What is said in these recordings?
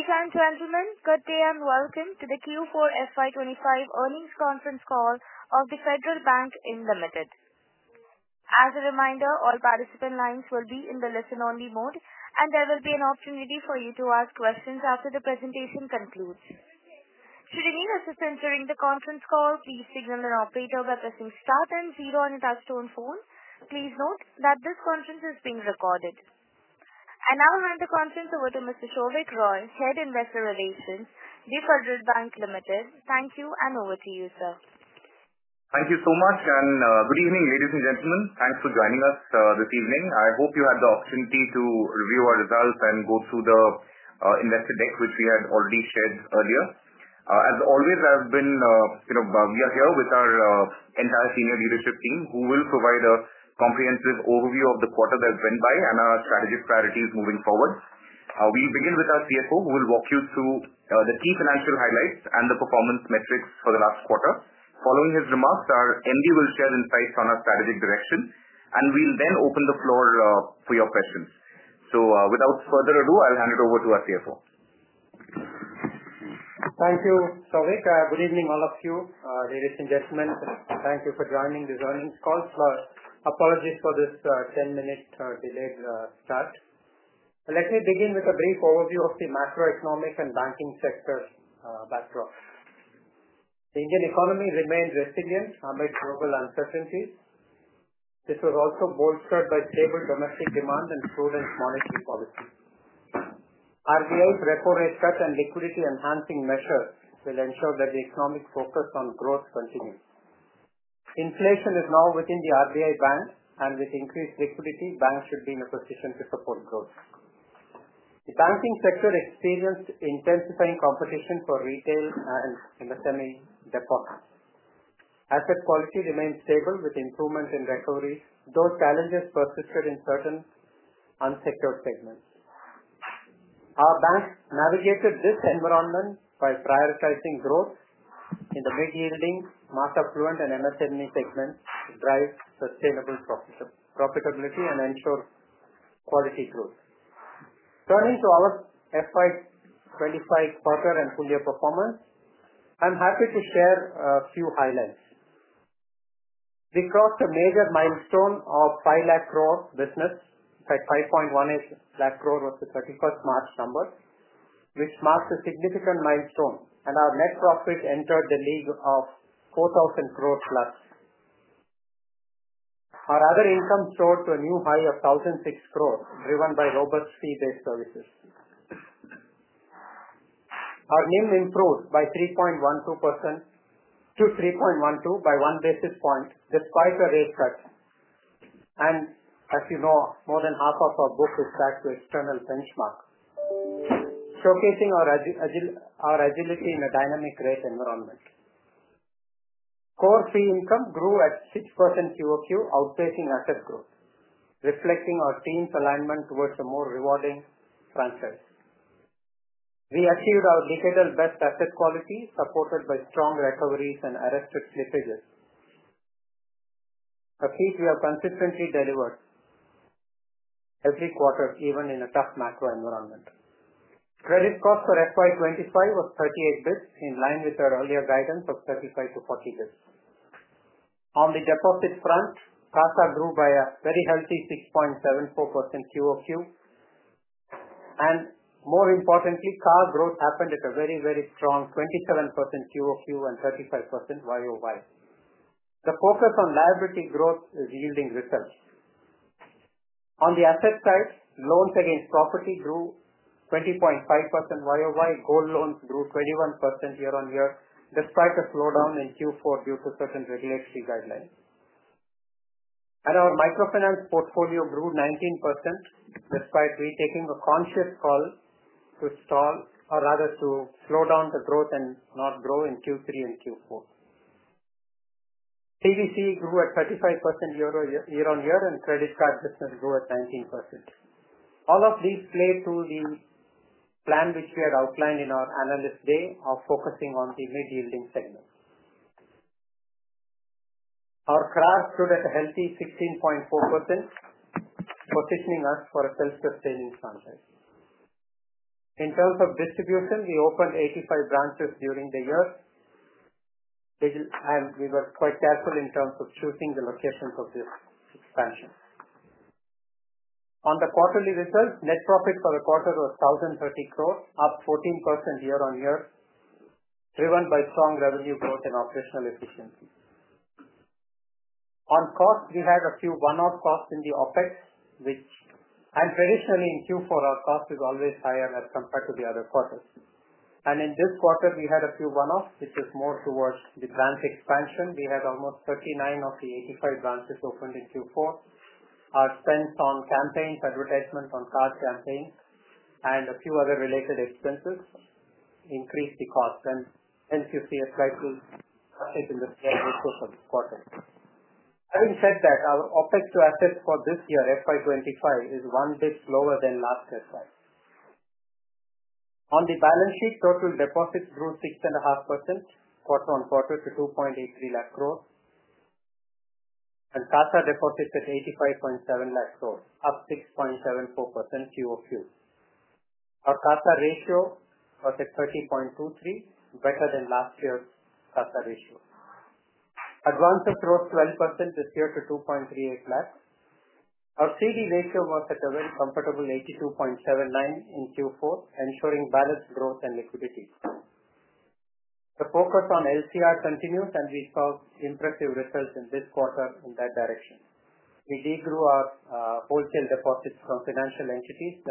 Ladies and gentlemen, good day and welcome to the Q4 FY25 earnings conference call of Federal Bank. As a reminder, all participant lines will be in the listen-only mode, and there will be an opportunity for you to ask questions after the presentation concludes. Should you need assistance during the conference call, please signal an operator by pressing star one, zero on a touch-tone phone. Please note that this conference is being recorded. Now I'll hand the conference over to Mr. Souvik Roy, Head of Investor Relations, Federal Bank. Thank you, and over to you, sir. Thank you so much, and good evening, ladies and gentlemen. Thanks for joining us this evening. I hope you had the opportunity to review our results and go through the investor deck, which we had already shared earlier. As always, we are here with our entire senior leadership team, who will provide a comprehensive overview of the quarter that went by and our strategic priorities moving forward. We will begin with our CFO, who will walk you through the key financial highlights and the performance metrics for the last quarter. Following his remarks, our MD will share insights on our strategic direction, and we will then open the floor for your questions. Without further ado, I will hand it over to our CFO. Thank you, Souvik. Good evening, all of you, ladies and gentlemen. Thank you for joining this earnings call. Apologies for this 10-minute delayed start. Let me begin with a brief overview of the macroeconomic and banking sector backdrop. The Indian economy remained resilient amid global uncertainties. This was also bolstered by stable domestic demand and prudent monetary policy. RBI's repo rate cut and liquidity-enhancing measures will ensure that the economic focus on growth continues. Inflation is now within the RBI band, and with increased liquidity, banks should be in a position to support growth. The banking sector experienced intensifying competition for retail and semi-deposits. Asset quality remained stable with improvement in recoveries, though challenges persisted in certain unsecured segments. Our bank navigated this environment by prioritizing growth in the mid-yielding, mass-affluent, and MSME segments to drive sustainable profitability and ensure quality growth. Turning to our FY 2025 quarter and full-year performance, I'm happy to share a few highlights. We crossed a major milestone of 500,000,000,000 business. In fact, 518,000,000,000 was the 31 March number, which marked a significant milestone, and our net profit entered the league of 4,000,000,000+. Our other income soared to a new high of INR 1,006,000,000, driven by robust fee-based services. Our NIM improved by 1 basis point to 3.12% despite a rate cut. As you know, more than half of our book is tied to external benchmarks, showcasing our agility in a dynamic rate environment. Core fee income grew at 6% quarter on quarter, outpacing asset growth, reflecting our team's alignment towards a more rewarding franchise. We achieved our decadal best asset quality, supported by strong recoveries and arrested slippages, a feat we have consistently delivered every quarter, even in a tough macro environment. Credit cost for FY 2025 was 38 basis points, in line with our earlier guidance of 35-40 basis points. On the deposit front, CASA grew by a very healthy 6.74% QoQ. More importantly, car growth happened at a very, very strong 27% QoQ and 35% YoY. The focus on liability growth is yielding results. On the asset side, loans against property grew 20.5% YoY. Gold loans grew 21% year-on-year, despite a slowdown in Q4 due to certain regulatory guidelines. Our microfinance portfolio grew 19%, despite we taking a conscious call to slow down the growth and not grow in Q3 and Q4. CVC grew at 35% year-on-year, and credit card business grew at 19%. All of these played to the plan which we had outlined in our analyst day of focusing on the mid-yielding segment. Our CRAR stood at a healthy 16.4%, positioning us for a self-sustaining franchise. In terms of distribution, we opened 85 branches during the year, and we were quite careful in terms of choosing the locations of this expansion. On the quarterly results, net profit for the quarter was 1,030 crore, up 14% year-on-year, driven by strong revenue growth and operational efficiency. On cost, we had a few one-off costs in the OpEx, which. Traditionally, in Q4, our cost is always higher as compared to the other quarters. In this quarter, we had a few one-offs, which is more towards the branch expansion. We had almost 39 of the 85 branches opened in Q4. Our spends on campaigns, advertisements, on car campaigns, and a few other related expenses increased the cost. You see a slight uptick in the CFO's quarter. Having said that, our OpEx to assets for this year, FY 2025, is one basis point lower than last FY. On the balance sheet, total deposits grew 6.5% quarter on quarter to 2.83 lakh crore, and CASA deposits at 85.7 lakh crore, up 6.74% QOQ. Our CASA ratio was at 30.23%, better than last year's CASA ratio. Advance of growth 12% this year to 2.38 lakh. Our CD ratio was at a very comfortable 82.79 in Q4, ensuring balanced growth and liquidity. The focus on LCR continues, and we saw impressive results in this quarter in that direction. We degrew our wholesale deposits from financial entities,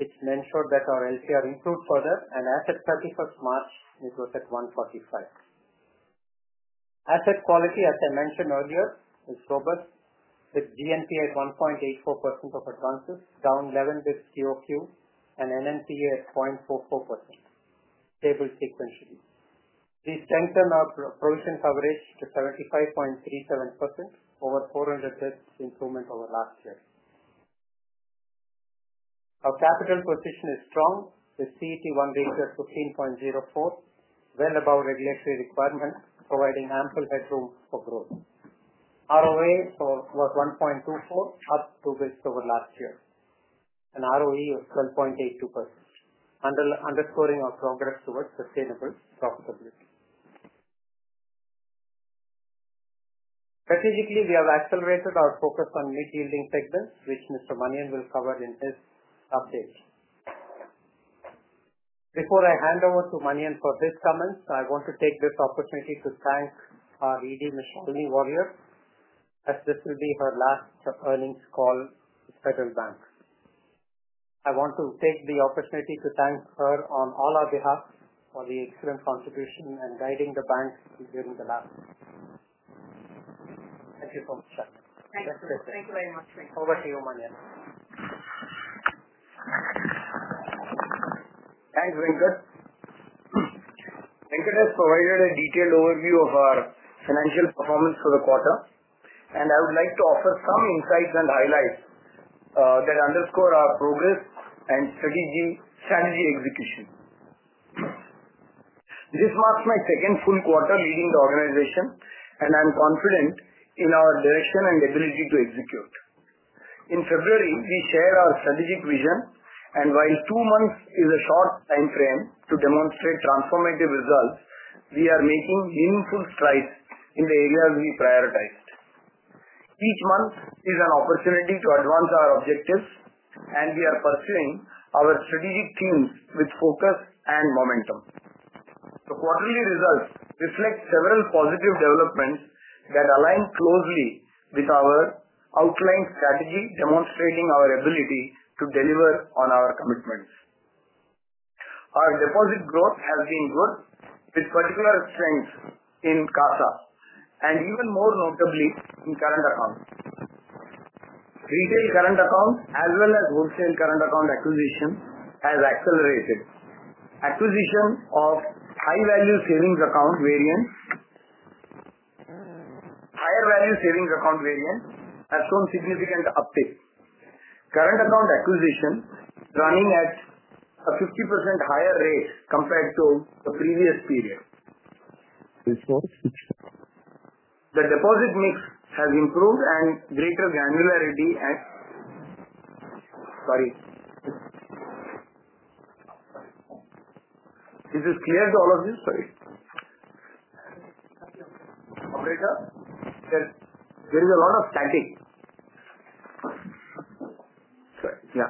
which ensured that our LCR improved further, and as of 31st March, it was at 145%. Asset quality, as I mentioned earlier, is robust, with GNPA at 1.84% of advances, down 11 basis points quarter on quarter, and NNPA at 0.44%, stable sequentially. We strengthened our provision coverage to 75.37%, over 400 basis points improvement over last year. Our capital position is strong, with CET1 ratio at 15.04%, well above regulatory requirements, providing ample headroom for growth. ROA was 1.24%, up 2 basis points over last year, and ROE was 12.82%, underscoring our progress towards sustainable profitability. Strategically, we have accelerated our focus on mid-yielding segments, which Mr. Manian will cover in his update. Before I hand over to Manian for his comments, I want to take this opportunity to thank our ED, Ms. Shalini Warrier, as this will be her last earnings call with Federal Bank. I want to take the opportunity to thank her on all our behalf for the excellent contribution and guiding the bank during the last week. Thank you so much. Thank you. Thank you very much. Over to you, Manian. Thanks, Venkat. Venkat has provided a detailed overview of our financial performance for the quarter, and I would like to offer some insights and highlights that underscore our progress and strategy execution. This marks my second full quarter leading the organization, and I'm confident in our direction and ability to execute. In February, we shared our strategic vision, and while two months is a short time frame to demonstrate transformative results, we are making meaningful strides in the areas we prioritized. Each month is an opportunity to advance our objectives, and we are pursuing our strategic teams with focus and momentum. The quarterly results reflect several positive developments that align closely with our outlined strategy, demonstrating our ability to deliver on our commitments. Our deposit growth has been good, with particular strength in CASA, and even more notably in current accounts. Retail current accounts, as well as wholesale current account acquisition, has accelerated. Acquisition of high-value savings account variants, higher-value savings account variants, has shown significant uptake. Current account acquisition is running at a 50% higher rate compared to the previous period. The deposit mix has improved and greater granularity and—sorry. This is clear to all of you? Sorry. Operator? There is a lot of static. Sorry. Yeah.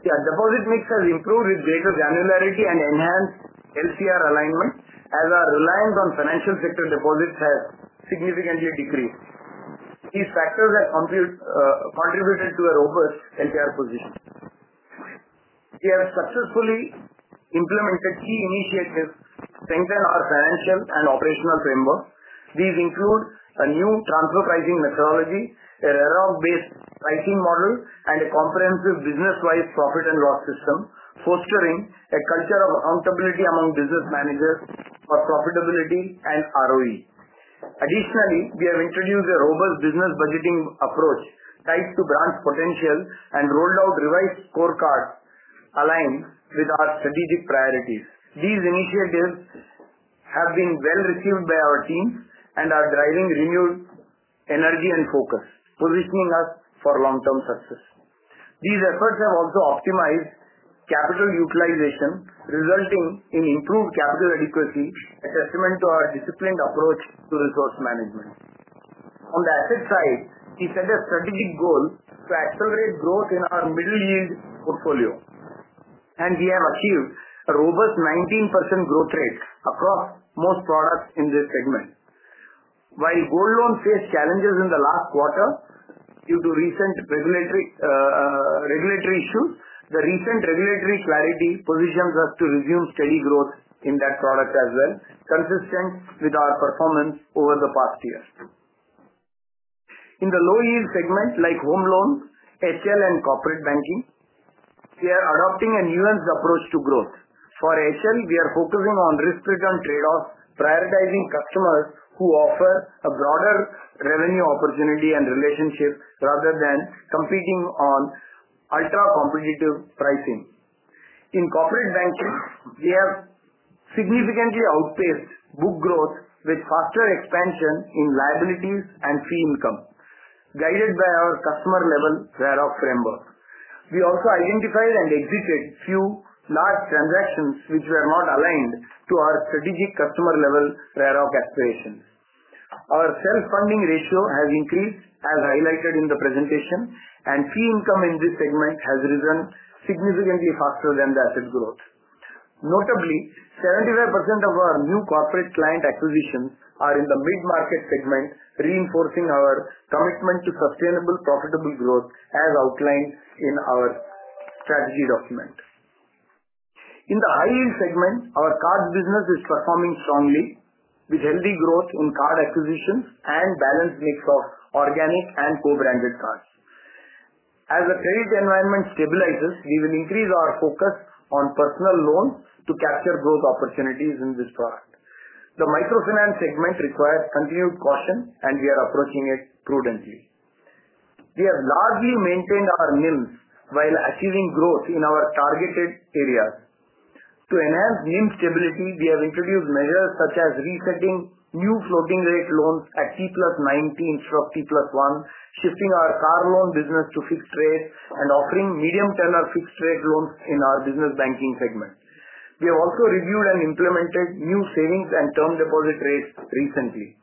Yeah, deposit mix has improved with greater granularity and enhanced LCR alignment, as our reliance on financial sector deposits has significantly decreased. These factors have contributed to a robust LCR position. We have successfully implemented key initiatives to strengthen our financial and operational framework. These include a new transfer pricing methodology, a RAROC-based pricing model, and a comprehensive business-wise profit and loss system, fostering a culture of accountability among business managers for profitability and ROE. Additionally, we have introduced a robust business budgeting approach tied to branch potential and rolled out revised scorecards aligned with our strategic priorities. These initiatives have been well received by our teams and are driving renewed energy and focus, positioning us for long-term success. These efforts have also optimized capital utilization, resulting in improved capital adequacy, a testament to our disciplined approach to resource management. On the asset side, we set a strategic goal to accelerate growth in our middle-yield portfolio, and we have achieved a robust 19% growth rate across most products in this segment. While gold loans faced challenges in the last quarter due to recent regulatory issues, the recent regulatory clarity positions us to resume steady growth in that product as well, consistent with our performance over the past year. In the low-yield segment, like home loans, HL, and corporate banking, we are adopting a nuanced approach to growth. For HL, we are focusing on risk-return trade-offs, prioritizing customers who offer a broader revenue opportunity and relationship rather than competing on ultra-competitive pricing. In corporate banking, we have significantly outpaced book growth with faster expansion in liabilities and fee income, guided by our customer-level RAROC framework. We also identified and exited few large transactions which were not aligned to our strategic customer-level RAROC aspirations. Our self-funding ratio has increased, as highlighted in the presentation, and fee income in this segment has risen significantly faster than the asset growth. Notably, 75% of our new corporate client acquisitions are in the mid-market segment, reinforcing our commitment to sustainable, profitable growth, as outlined in our strategy document. In the high-yield segment, our cards business is performing strongly, with healthy growth in card acquisitions and balanced mix of organic and co-branded cards. As the credit environment stabilizes, we will increase our focus on personal loans to capture growth opportunities in this product. The microfinance segment requires continued caution, and we are approaching it prudently. We have largely maintained our NIMs while achieving growth in our targeted areas. To enhance NIM stability, we have introduced measures such as resetting new floating-rate loans at T+90 instead of T+1, shifting our car loan business to fixed rate, and offering medium-tenor fixed-rate loans in our business banking segment. We have also reviewed and implemented new savings and term deposit rates recently.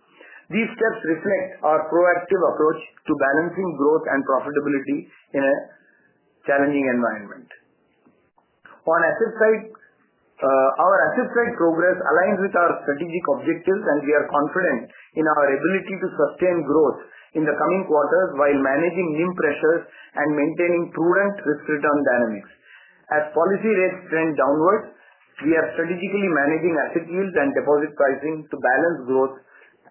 These steps reflect our proactive approach to balancing growth and profitability in a challenging environment. On asset side, our asset side progress aligns with our strategic objectives, and we are confident in our ability to sustain growth in the coming quarters while managing NIM pressures and maintaining prudent risk-return dynamics. As policy rates trend downward, we are strategically managing asset yields and deposit pricing to balance growth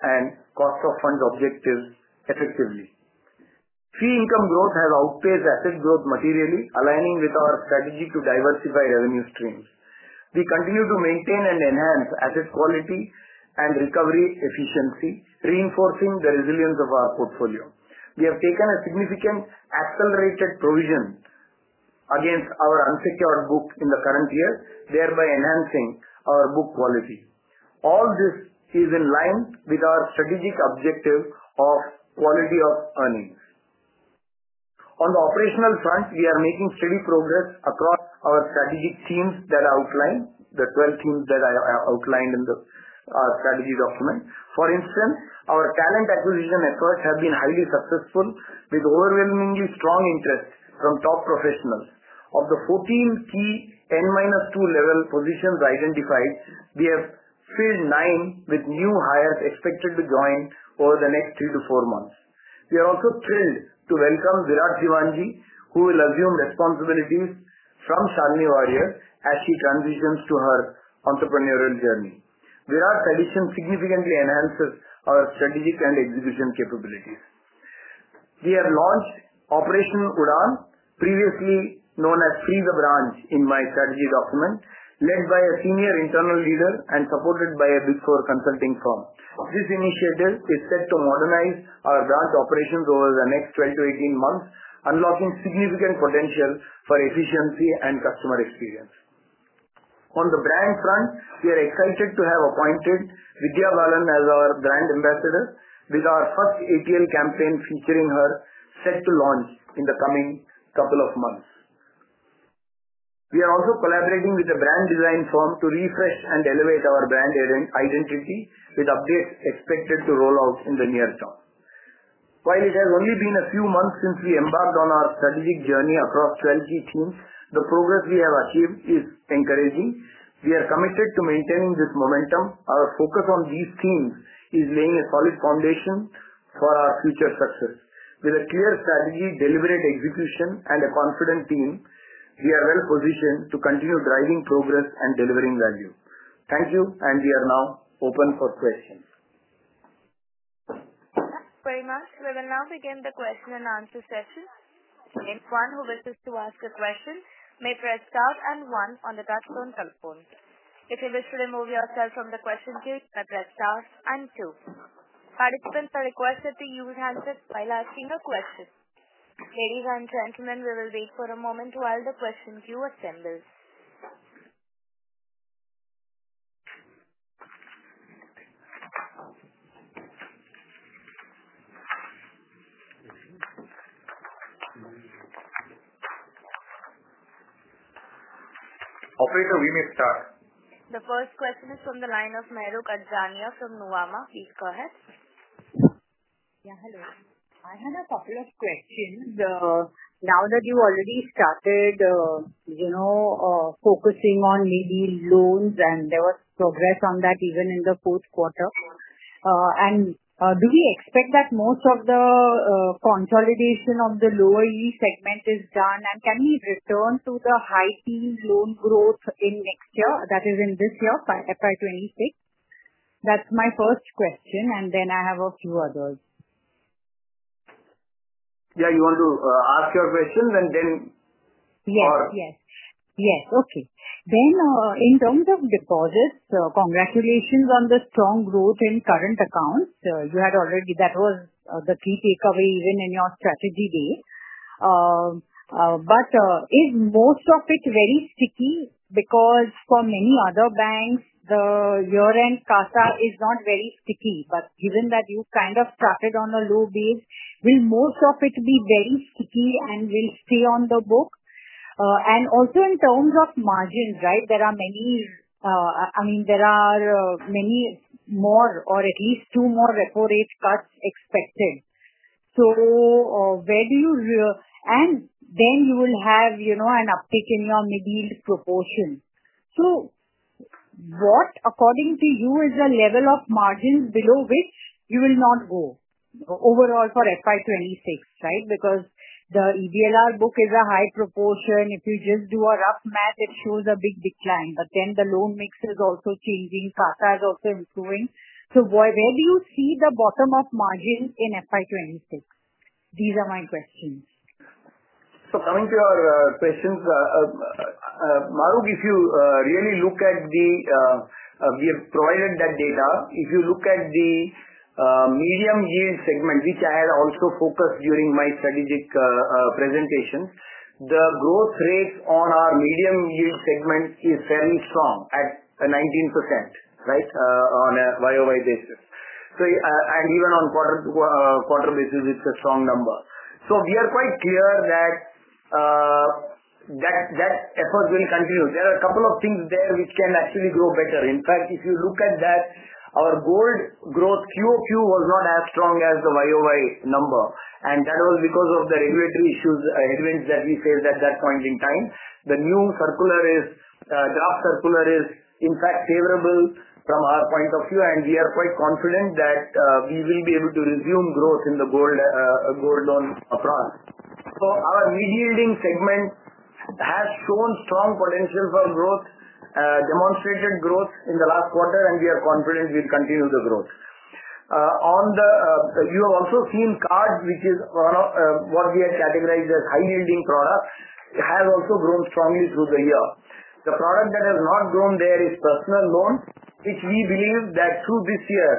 and cost-of-fund objectives effectively. Fee income growth has outpaced asset growth materially, aligning with our strategy to diversify revenue streams. We continue to maintain and enhance asset quality and recovery efficiency, reinforcing the resilience of our portfolio. We have taken a significant accelerated provision against our unsecured book in the current year, thereby enhancing our book quality. All this is in line with our strategic objective of quality of earnings. On the operational front, we are making steady progress across our strategic teams that I outlined, the 12 teams that I outlined in the strategy document. For instance, our talent acquisition efforts have been highly successful, with overwhelmingly strong interest from top professionals. Of the 14 key N-2 level positions identified, we have filled nine with new hires expected to join over the next three to four months. We are also thrilled to welcome Virat Diwanji, who will assume responsibilities from Shalini Warrier as she transitions to her entrepreneurial journey. Virat's addition significantly enhances our strategic and execution capabilities. We have launched Operation Udaan, previously known as Free the Branch in my strategy document, led by a senior internal leader and supported by a Big Four consulting firm. This initiative is set to modernize our branch operations over the next 12-18 months, unlocking significant potential for efficiency and customer experience. On the brand front, we are excited to have appointed Vidya Balan as our brand ambassador, with our first ATL campaign featuring her set to launch in the coming couple of months. We are also collaborating with a brand design firm to refresh and elevate our brand identity, with updates expected to roll out in the near term. While it has only been a few months since we embarked on our strategic journey across 12 key teams, the progress we have achieved is encouraging. We are committed to maintaining this momentum. Our focus on these teams is laying a solid foundation for our future success. With a clear strategy, deliberate execution, and a confident team, we are well positioned to continue driving progress and delivering value. Thank you, and we are now open for questions. Thank you very much. We will now begin the question and answer session. If one who wishes to ask a question may press star and one on the touchstone telephone. If you wish to remove yourself from the question queue, you may press star and two. Participants are requested to use handsets while asking a question. Ladies and gentlemen, we will wait for a moment while the question queue assembles. Operator, we may start. The first question is from the line of Mahrukh Adajania from Nuvama. Please go ahead. Yeah, hello. I had a couple of questions. Now that you already started focusing on maybe loans, and there was progress on that even in the fourth quarter, do we expect that most of the consolidation of the lower-yield segment is done, and can we return to the high-yield loan growth in next year, that is, in this year, FY 2026? That's my first question, and then I have a few others. Yeah, you want to ask your questions, and then or? Yes. Yes. Yes. Okay. In terms of deposits, congratulations on the strong growth in current accounts. You had already—that was the key takeaway even in your strategy day. Is most of it very sticky? For many other banks, the year-end CASA is not very sticky. Given that you kind of started on a low base, will most of it be very sticky and will stay on the book? Also, in terms of margins, right, there are many—I mean, there are many more, or at least two more repo rate cuts expected. Where do you—and you will have an uptick in your middle proportion. What, according to you, is the level of margins below which you will not go overall for FY 2026, right? The EVLR book is a high proportion. If you just do a rough math, it shows a big decline. The loan mix is also changing. CASA is also improving. Where do you see the bottom of margin in FY 2026? These are my questions. Coming to your questions, Mahrukh, if you really look at the—we have provided that data. If you look at the medium-yield segment, which I had also focused on during my strategic presentation, the growth rate on our medium-yield segment is fairly strong at 19% on a YoY basis. Even on quarter basis, it is a strong number. We are quite clear that that effort will continue. There are a couple of things there which can actually grow better. In fact, if you look at that, our gold growth QoQ was not as strong as the YoY number, and that was because of the regulatory issues that we faced at that point in time. The new circular is—draft circular is, in fact, favorable from our point of view, and we are quite confident that we will be able to resume growth in the gold loan front. Our middle-yielding segment has shown strong potential for growth, demonstrated growth in the last quarter, and we are confident we will continue the growth. You have also seen cards, which is what we have categorized as high-yielding products, has also grown strongly through the year. The product that has not grown there is personal loans, which we believe that through this year,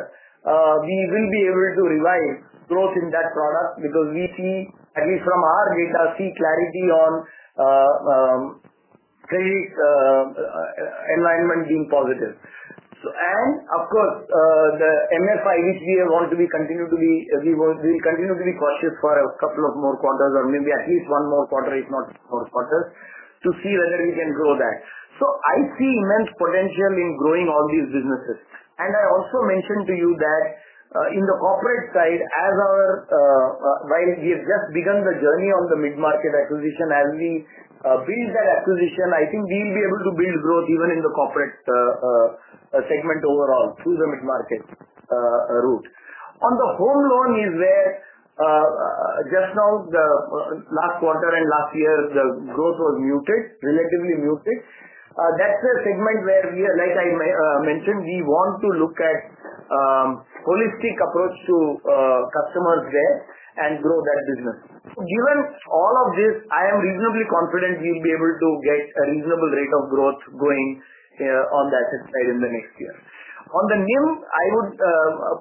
we will be able to revive growth in that product because we see, at least from our data, see clarity on credit environment being positive. Of course, the MFI, which we want to be—we will continue to be cautious for a couple of more quarters or maybe at least one more quarter, if not more quarters, to see whether we can grow that. I see immense potential in growing all these businesses. I also mentioned to you that in the corporate side, as our—while we have just begun the journey on the mid-market acquisition, as we build that acquisition, I think we will be able to build growth even in the corporate segment overall through the mid-market route. On the home loan is where just now, the last quarter and last year, the growth was muted, relatively muted. That's a segment where, like I mentioned, we want to look at a holistic approach to customers there and grow that business. Given all of this, I am reasonably confident we'll be able to get a reasonable rate of growth going on the asset side in the next year. On the NIM, I would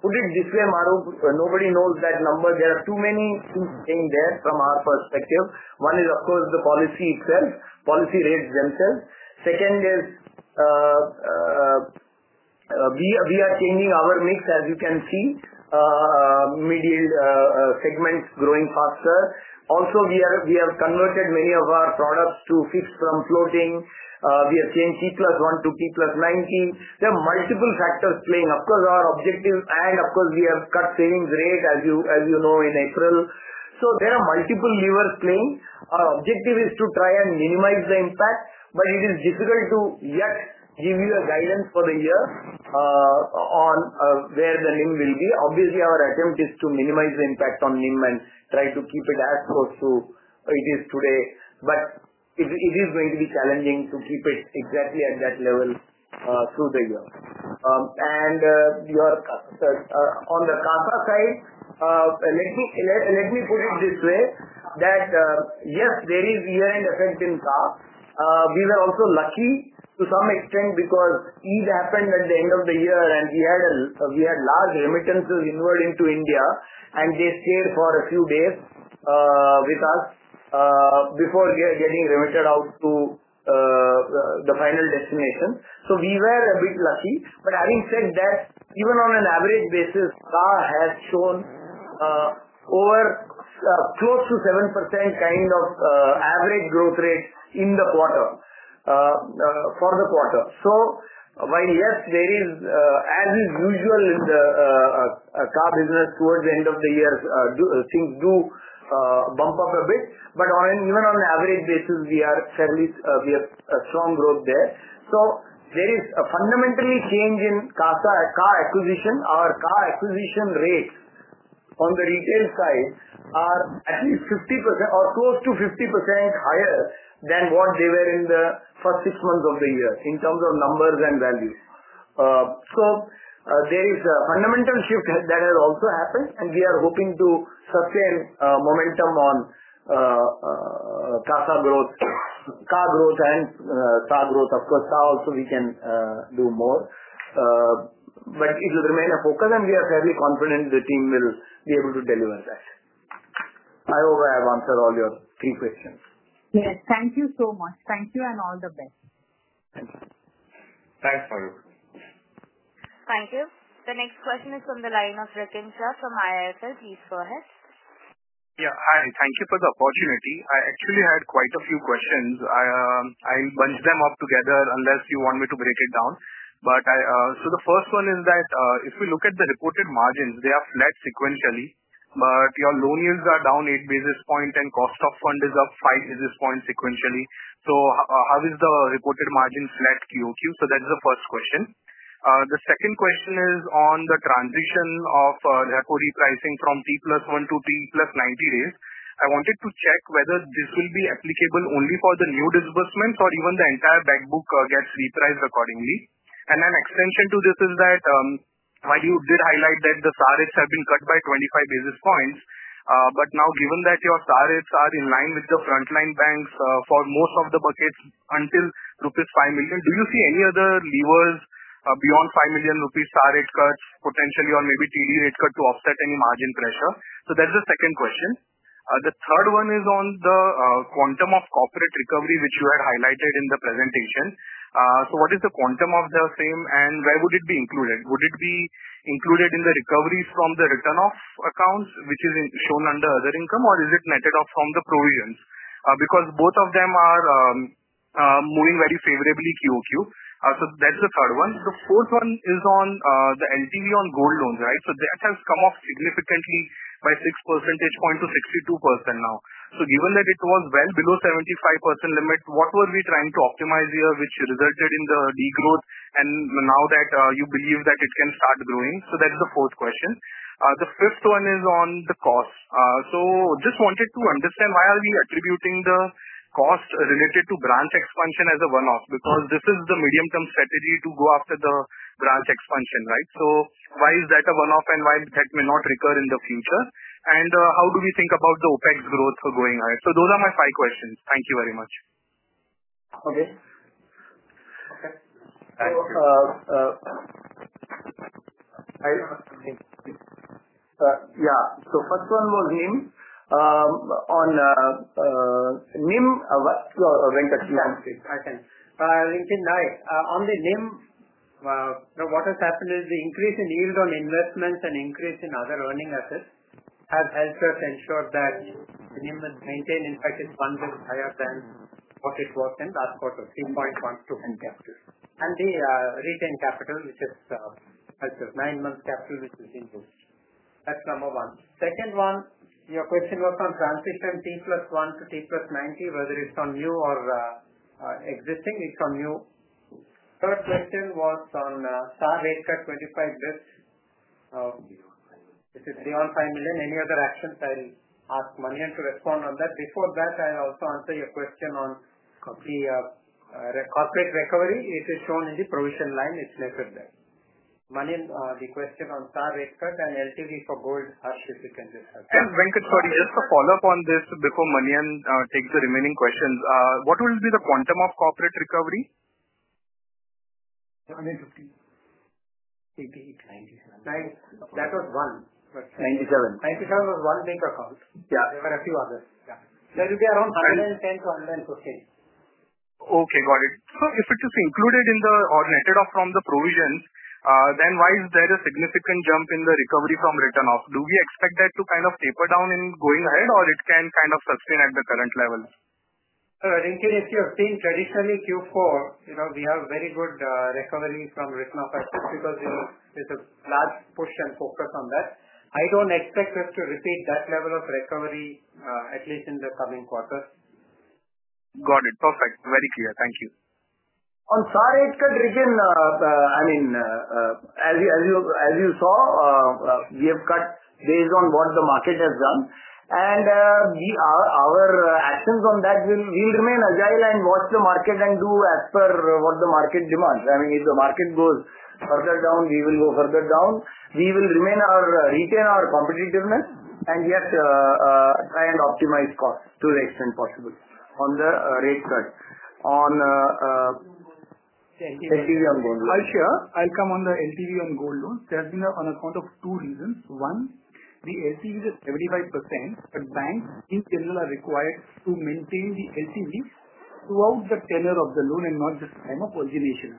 put it this way, Mahrukh: nobody knows that number. There are too many things saying there from our perspective. One is, of course, the policy itself, policy rates themselves. Second is, we are changing our mix, as you can see, middle segments growing faster. Also, we have converted many of our products to fixed from floating. We have changed T+1 to T+90. There are multiple factors playing. Of course, our objective, and of course, we have cut savings rate, as you know, in April. There are multiple levers playing. Our objective is to try and minimize the impact, but it is difficult to yet give you a guidance for the year on where the NIM will be. Obviously, our attempt is to minimize the impact on NIM and try to keep it as close to it is today. It is going to be challenging to keep it exactly at that level through the year. On the CASA side, let me put it this way that, yes, there is year-end effect in CAS. We were also lucky to some extent because Eid happened at the end of the year, and we had large remittances inward into India, and they stayed for a few days with us before getting remitted out to the final destination. We were a bit lucky. Having said that, even on an average basis, CASA has shown close to 7% kind of average growth rate in the quarter for the quarter. While, yes, there is, as is usual in the CASA business, towards the end of the year, things do bump up a bit. Even on an average basis, we have strong growth there. There is a fundamental change in CASA acquisition. Our CASA acquisition rates on the retail side are at least 50% or close to 50% higher than what they were in the first six months of the year in terms of numbers and value. There is a fundamental shift that has also happened, and we are hoping to sustain momentum on CASA growth, CASA growth, and CASA growth. Of course, CASA also we can do more. It will remain a focus, and we are fairly confident the team will be able to deliver that. I hope I have answered all your three questions. Yes. Thank you so much. Thank you, and all the best. Thanks. Thanks, Mahrukh. Thank you. The next question is from the line of Rikin Shah from IIFL. Please go ahead. Yeah. Hi. Thank you for the opportunity. I actually had quite a few questions. I'll bunch them up together unless you want me to break it down. The first one is that if we look at the reported margins, they are flat sequentially, but your loan yields are down eight basis points, and cost of fund is up five basis points sequentially. How is the reported margin flat QOQ? That's the first question. The second question is on the transition of repo repricing from T+1 to T+90 days. I wanted to check whether this will be applicable only for the new disbursements or even the entire backbook gets repriced accordingly. An extension to this is that while you did highlight that the SAR rates have been cut by 25 basis points, now given that your SAR rates are in line with the frontline banks for most of the buckets until rupees 5 million, do you see any other levers beyond 5 million rupees SAR rate cuts potentially or maybe TD rate cut to offset any margin pressure? That is the second question. The third one is on the quantum of corporate recovery, which you had highlighted in the presentation. What is the quantum of the same, and where would it be included? Would it be included in the recoveries from the return of accounts, which is shown under other income, or is it netted off from the provisions? Both of them are moving very favorably QoQ. That is the third one. The fourth one is on the LTV on gold loans, right? That has come off significantly by six percentage points to 62% now. Given that it was well below the 75% limit, what were we trying to optimize here, which resulted in the degrowth, and now that you believe that it can start growing? That is the fourth question. The fifth one is on the cost. I just wanted to understand why we are attributing the cost related to branch expansion as a one-off. This is the medium-term strategy to go after the branch expansion, right? Why is that a one-off, and why may that not recur in the future? How do we think about the OpEx growth going ahead? Those are my five questions. Thank you very much. Okay. Okay. Thanks. Yeah. First one was NIM. On NIM, what's your Venkatraman? I can. I can. Rikin, hi. On the NIM, what has happened is the increase in yield on investments and increase in other earning assets has helped us ensure that the NIM maintained, in fact, its fund is higher than what it was in last quarter, 3.12 in capital. And the retained capital, which has helped us, nine months capital, which is increased. That's number one. Second one, your question was on transition T+1 to T+90, whether it's on new or existing. It's on new. Third question was on SAR rate cut 25 basis points. This is beyond five million. Any other actions? I'll ask Manian to respond on that. Before that, I'll also answer your question on the corporate recovery. It is shown in the provision line. It's netted there. Manian, the question on SAR rate cut and LTV for gold, Harsh, if you can just help us. Thanks, Venkatraman. Just to follow up on this before Manian takes the remaining questions, what will be the quantum of corporate recovery? 150. 97. Thanks. That was one. 97. 97 was one big account. There were a few others. There will be around 110-115. Okay. Got it. If it is included in or netted off from the provisions, then why is there a significant jump in the recovery from return off? Do we expect that to kind of taper down going ahead, or can it kind of sustain at the current level? Rikin, if you have seen traditionally Q4, we have very good recovery from return of assets because there's a large push and focus on that. I don't expect us to repeat that level of recovery, at least in the coming quarters. Got it. Perfect. Very clear. Thank you. On SAR rate cut, Rikin, I mean, as you saw, we have cut based on what the market has done. Our actions on that will remain agile and watch the market and do as per what the market demands. I mean, if the market goes further down, we will go further down. We will retain our competitiveness and yet try and optimize costs to the extent possible on the rate cut. On. LTV. LTV on gold loans. I'll share. I'll come on the LTV on gold loans. There has been an account of two reasons. One, the LTV is at 75%, but banks in general are required to maintain the LTV throughout the tenure of the loan and not just at the time of origination.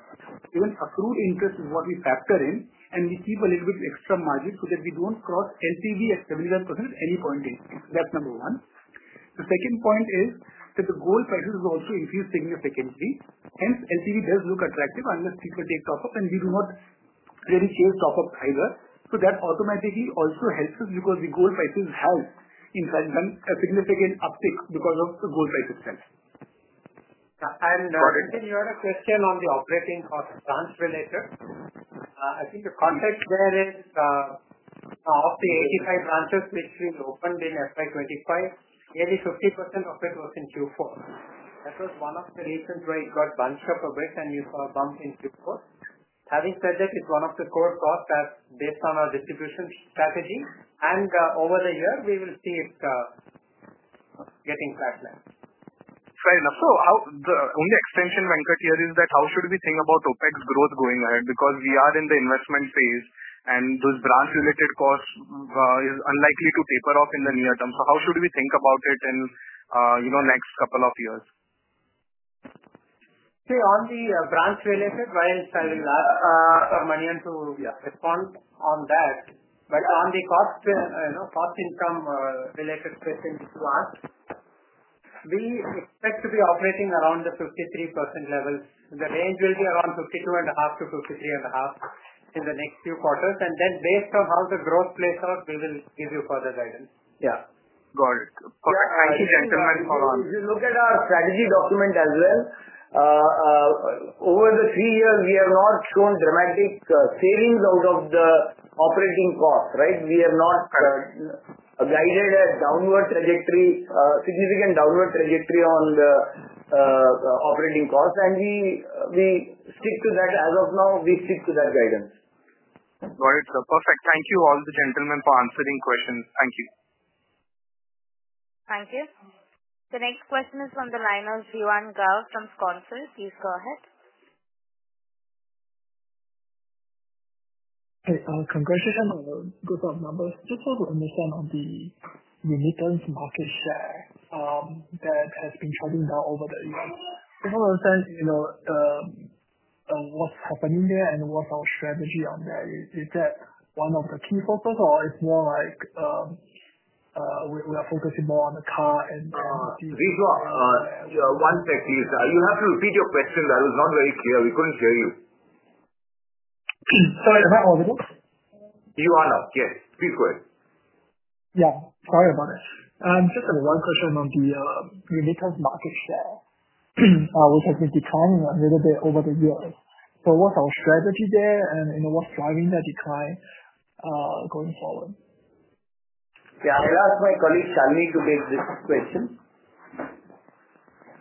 Even accrued interest is what we factor in, and we keep a little bit extra margin so that we do not cross LTV at 75% at any point in time. That's number one. The second point is that the gold prices have also increased significantly. Hence, LTV does look attractive unless people take top-up, and we do not really chase top-ups either. That automatically also helps us because the gold prices have, in fact, done a significant uptick because of the gold price itself. Rikin, you had a question on the operating cost branch related. I think the context there is of the 85 branches which we opened in 2025, nearly 50% of it was in Q4. That was one of the reasons why it got bunched up a bit and you saw a bump in Q4. Having said that, it is one of the core costs based on our distribution strategy, and over the year, we will see it getting flattened. Fair enough. The only extension, Venkat, here is that how should we think about OpEx growth going ahead? Because we are in the investment phase, and those branch-related costs are unlikely to taper off in the near term. How should we think about it in the next couple of years? See, on the branch-related, while I will ask Manian to respond on that. On the cost-income related question you asked, we expect to be operating around the 53% level. The range will be around 52.5%-53.5% in the next few quarters. Based on how the growth plays out, we will give you further guidance. Yeah. Got it. Perfect. Thank you, gentlemen. If you look at our strategy document as well, over the three years, we have not shown dramatic savings out of the operating cost, right? We have not guided a significant downward trajectory on the operating cost, and we stick to that. As of now, we stick to that guidance. Got it. Perfect. Thank you, all the gentlemen, for answering questions. Thank you. Thank you. The next question is from the line of Jeewan Gaur from CRISIL. Please go ahead. Hi. Congratulations on the group of numbers. Just want to understand on the remittance market share that has been trending down over the years. Just want to understand what's happening there and what's our strategy on that. Is that one of the key focuses, or it's more like we are focusing more on the car and the? Please go on. One sec, please. You have to repeat your question. That was not very clear. We could not hear you. Sorry. Am I audible? You are now. Yes, please go ahead. Yeah. Sorry about it. Just have one question on the remittance market share, which has been declining a little bit over the years. What is our strategy there and what is driving that decline going forward? Yeah. I'll ask my colleague Shalini to take this question.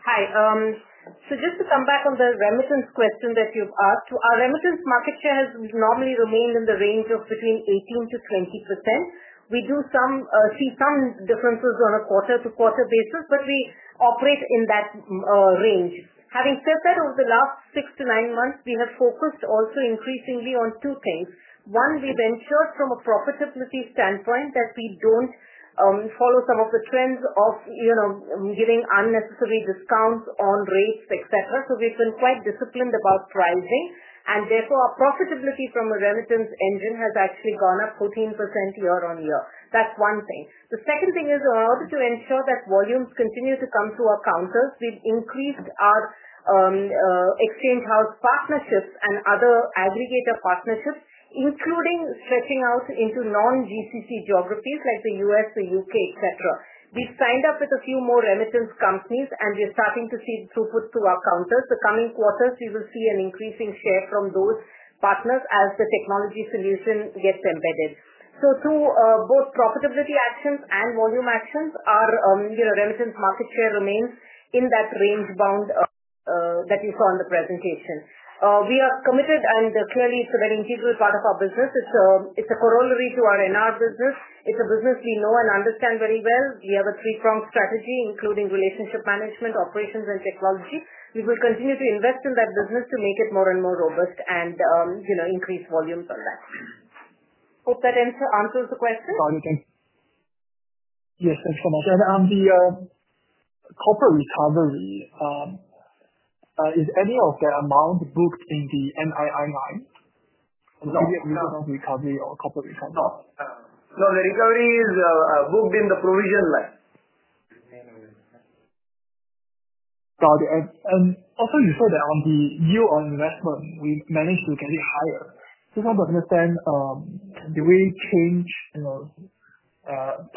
Hi. Just to come back on the remittance question that you've asked, our remittance market share has normally remained in the range of between 18%-20%. We do see some differences on a quarter-to-quarter basis, but we operate in that range. Having said that, over the last six to nine months, we have focused also increasingly on two things. One, we've ensured from a profitability standpoint that we don't follow some of the trends of giving unnecessary discounts on rates, etc. We've been quite disciplined about pricing, and therefore, our profitability from a remittance engine has actually gone up 14% year on year. That's one thing. The second thing is, in order to ensure that volumes continue to come to our counters, we've increased our exchange house partnerships and other aggregator partnerships, including stretching out into non-GCC geographies like the U.S., the U.K., etc. We've signed up with a few more remittance companies, and we're starting to see throughput to our counters. The coming quarters, we will see an increasing share from those partners as the technology solution gets embedded. Through both profitability actions and volume actions, our remittance market share remains in that range bound that you saw in the presentation. We are committed, and clearly, it's a very integral part of our business. It's a corollary to our NR business. It's a business we know and understand very well. We have a three-pronged strategy, including relationship management, operations, and technology. We will continue to invest in that business to make it more and more robust and increase volumes on that. Hope that answers the question. Thank you. Yes. Thank you so much. On the corporate recovery, is any of the amount booked in the NII line? Is it only the remittance recovery or corporate recovery? No. No. The recovery is booked in the provision line. Got it. You said that on the yield on investment, we managed to get it higher. Just want to understand, did we change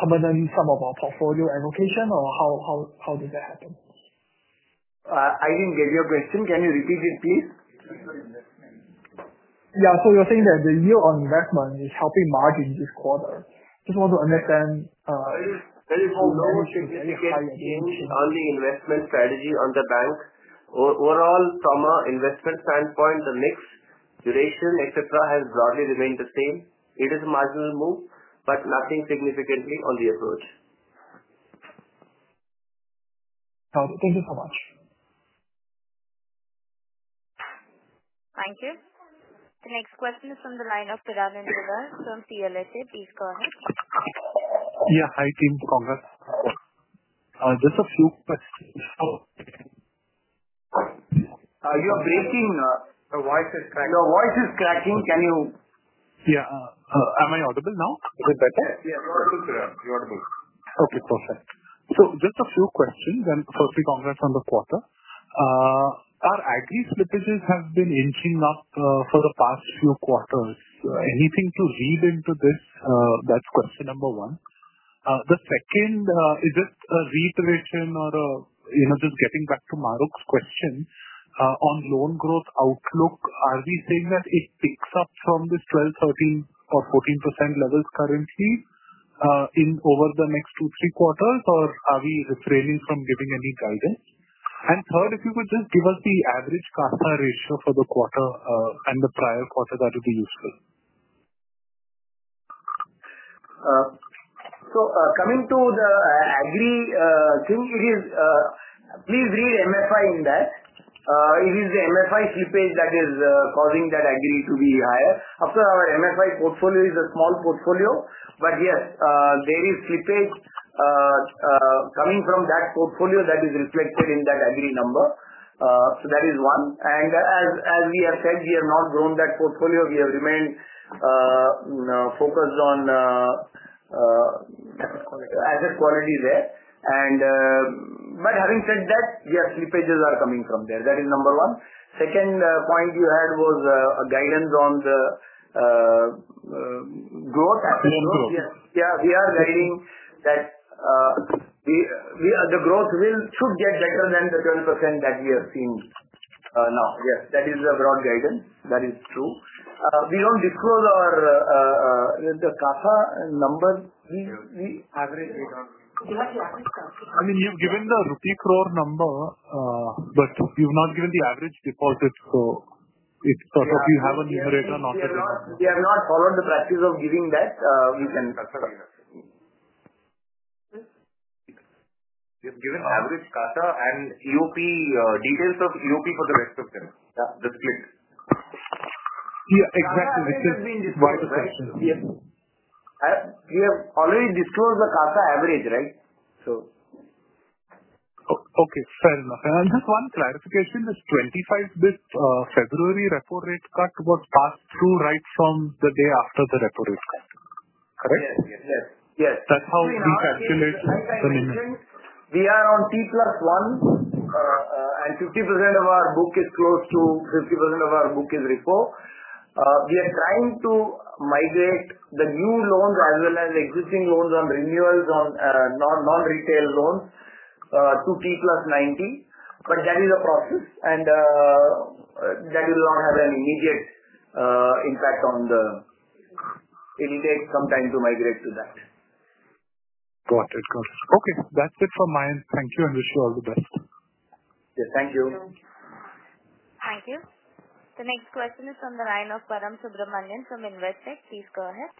permanently some of our portfolio allocation, or how did that happen? I didn't get your question. Can you repeat it, please? Yeah. You're saying that the yield on investment is helping margin this quarter. Just want to understand. There is no significant change on the investment strategy on the bank. Overall, from an investment standpoint, the mix, duration, etc., has broadly remained the same. It is a marginal move, but nothing significantly on the approach. Got it. Thank you so much. Thank you. The next question is from the line of Puranan Jagar from TLSA. Please go ahead. Yeah. Hi, team. Congrats. Just a few questions. You are breaking. The voice is cracking. Can you? Yeah. Am I audible now? A bit better? Yeah. You're audible. You're audible. Okay. Perfect. Just a few questions. Firstly, congrats on the quarter. Our aggregate slippages have been inching up for the past few quarters. Anything to read into this? That's question number one. The second, is it a reiteration or just getting back to Mahrukh's question on loan growth outlook? Are we saying that it picks up from this 12%, 13%, or 14% levels currently over the next two-three quarters, or are we refraining from giving any guidance? Third, if you could just give us the average CASA ratio for the quarter and the prior quarter, that would be useful. Coming to the aggregate thing, please read MFI in that. It is the MFI slippage that is causing that aggregate to be higher. Of course, our MFI portfolio is a small portfolio, but yes, there is slippage coming from that portfolio that is reflected in that aggregate number. That is one. As we have said, we have not grown that portfolio. We have remained focused on asset quality there. Having said that, yes, slippages are coming from there. That is number one. Second point you had was guidance on the growth. The growth. Yeah. We are guiding that the growth should get better than the 12% that we have seen now. Yes. That is the broad guidance. That is true. We do not disclose the CASA number. We average. I mean, you've given the Rupee Crore number, but you've not given the average deposit. So it's sort of you have a numerator, not a deposit. We have not followed the practice of giving that. We can. That's correct. You've given average CASA and details of EOP for the rest of them. The split. Yeah. Exactly. We have already disclosed the CASA average, right? Okay. Fair enough. Just one clarification. This 25th of February, repo rate cut was passed through right from the day after the repo rate cut. Correct? Yes. Yes. Yes. That's how we calculate the numerator. We are on T+1, and 50% of our book is closed to 50% of our book is repoed. We are trying to migrate the new loans as well as existing loans on renewals, on non-retail loans to T+90. That is a process, and that will not have an immediate impact on the. It will take some time to migrate to that. Got it. Got it. Okay. That's it from my end. Thank you and wish you all the best. Yes. Thank you. Thank you. The next question is from the line of Param Subramanian from Investec. Please go ahead.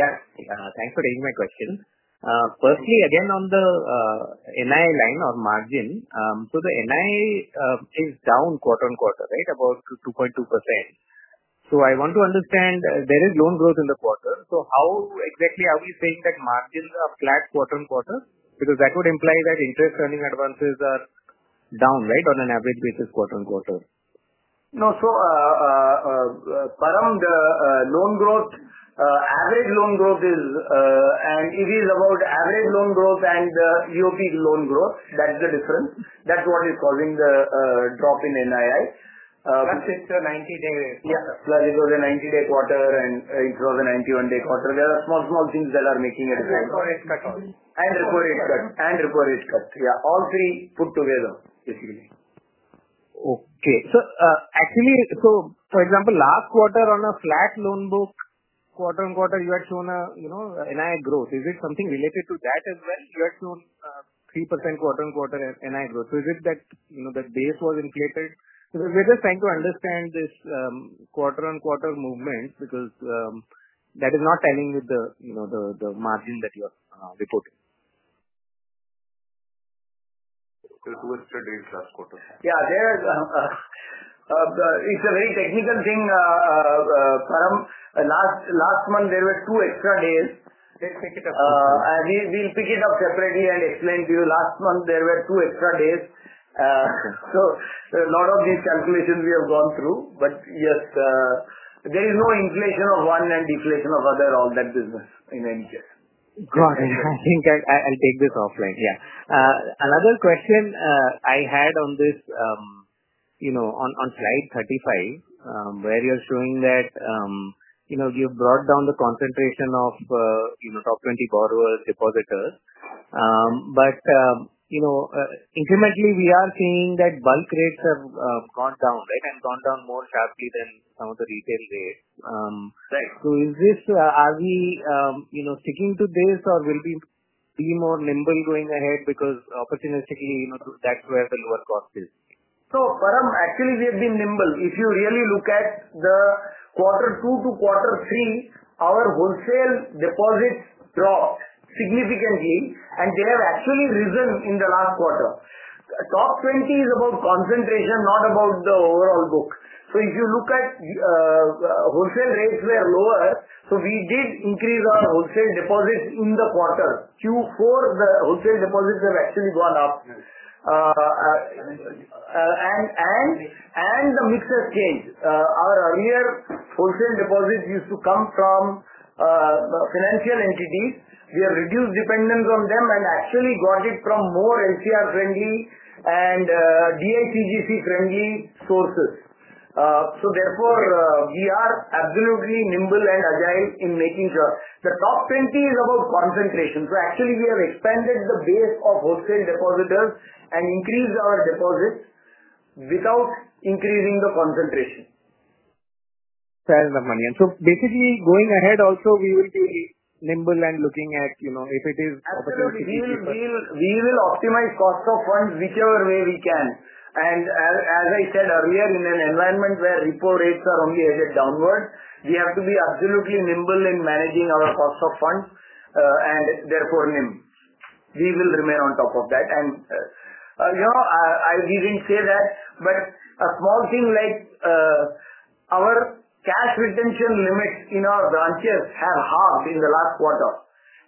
Yeah. Thanks for taking my question. Firstly, again, on the NII line or margin. The NII is down quarter on quarter, right, about 2.2%. I want to understand, there is loan growth in the quarter. How exactly are we saying that margins are flat quarter on quarter? Because that would imply that interest earning advances are down, right, on an average basis quarter on quarter. No. Param, the average loan growth is, and it is about average loan growth and EOP loan growth. That is the difference. That is what is causing the drop in NII. Plus it's a 90-day. Yeah. Plus it was a 90-day quarter, and it was a 91-day quarter. There are small, small things that are making a difference. Repo rate cut also. Repo rate cut. Repo rate cut. Yeah. All three put together, basically. Okay. Actually, for example, last quarter on a flat loan book, quarter on quarter, you had shown NII growth. Is it something related to that as well? You had shown 3% quarter on quarter NII growth. Is it that the base was inflated? We're just trying to understand this quarter on quarter movement because that is not telling you the margin that you are reporting. It was twisted in last quarter. Yeah. It's a very technical thing, Param. Last month, there were two extra days. They pick it up separately. We'll pick it up separately and explain to you. Last month, there were two extra days. A lot of these calculations we have gone through. Yes, there is no inflation of one and deflation of other on that business in any case. Got it. I think I'll take this offline. Yeah. Another question I had on this, on slide 35, where you're showing that you've brought down the concentration of top 20 borrowers, depositors. But incrementally, we are seeing that bulk rates have gone down, right, and gone down more sharply than some of the retail rates. Are we sticking to this, or will we be more nimble going ahead because opportunistically, that's where the lower cost is? Param, actually, we have been nimble. If you really look at the quarter two to quarter three, our wholesale deposits dropped significantly, and they have actually risen in the last quarter. Top 20 is about concentration, not about the overall book. If you look at wholesale rates were lower, so we did increase our wholesale deposits in the quarter. Q4, the wholesale deposits have actually gone up. The mix has changed. Our earlier wholesale deposits used to come from financial entities. We have reduced dependence on them and actually got it from more LCR-friendly and DICGC-friendly sources. Therefore, we are absolutely nimble and agile in making sure. The top 20 is about concentration. Actually, we have expanded the base of wholesale depositors and increased our deposits without increasing the concentration. Fair enough, Manian. Basically, going ahead, also, we will be nimble and looking at if it is opportunity to. We will optimize cost of funds whichever way we can. As I said earlier, in an environment where repo rates are only headed downward, we have to be absolutely nimble in managing our cost of funds and therefore nimble. We will remain on top of that. We did not say that, but a small thing like our cash retention limits in our branches have halved in the last quarter.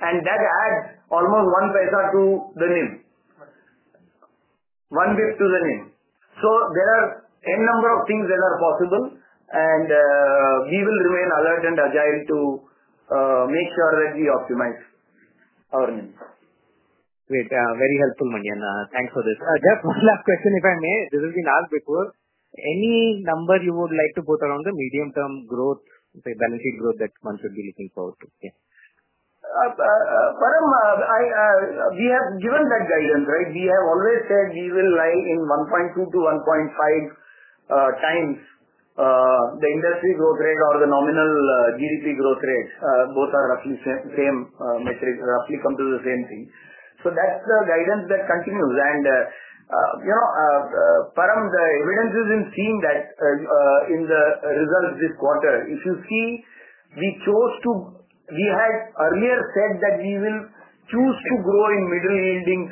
That adds almost one paisa to the NIM. One basis point to the NIM. There are a number of things that are possible, and we will remain alert and agile to make sure that we optimize our NIM. Great. Very helpful, Manian. Thanks for this. Just one last question, if I may. This has been asked before. Any number you would like to put around the medium-term growth, say, balance sheet growth that one should be looking forward to? Param, we have given that guidance, right? We have always said we will lie in 1.2x-1.5x the industry growth rate or the nominal GDP growth rate. Both are roughly same metrics, roughly come to the same thing. That is the guidance that continues. Param, the evidence is in seeing that in the results this quarter. If you see, we chose to, we had earlier said that we will choose to grow in middle-yield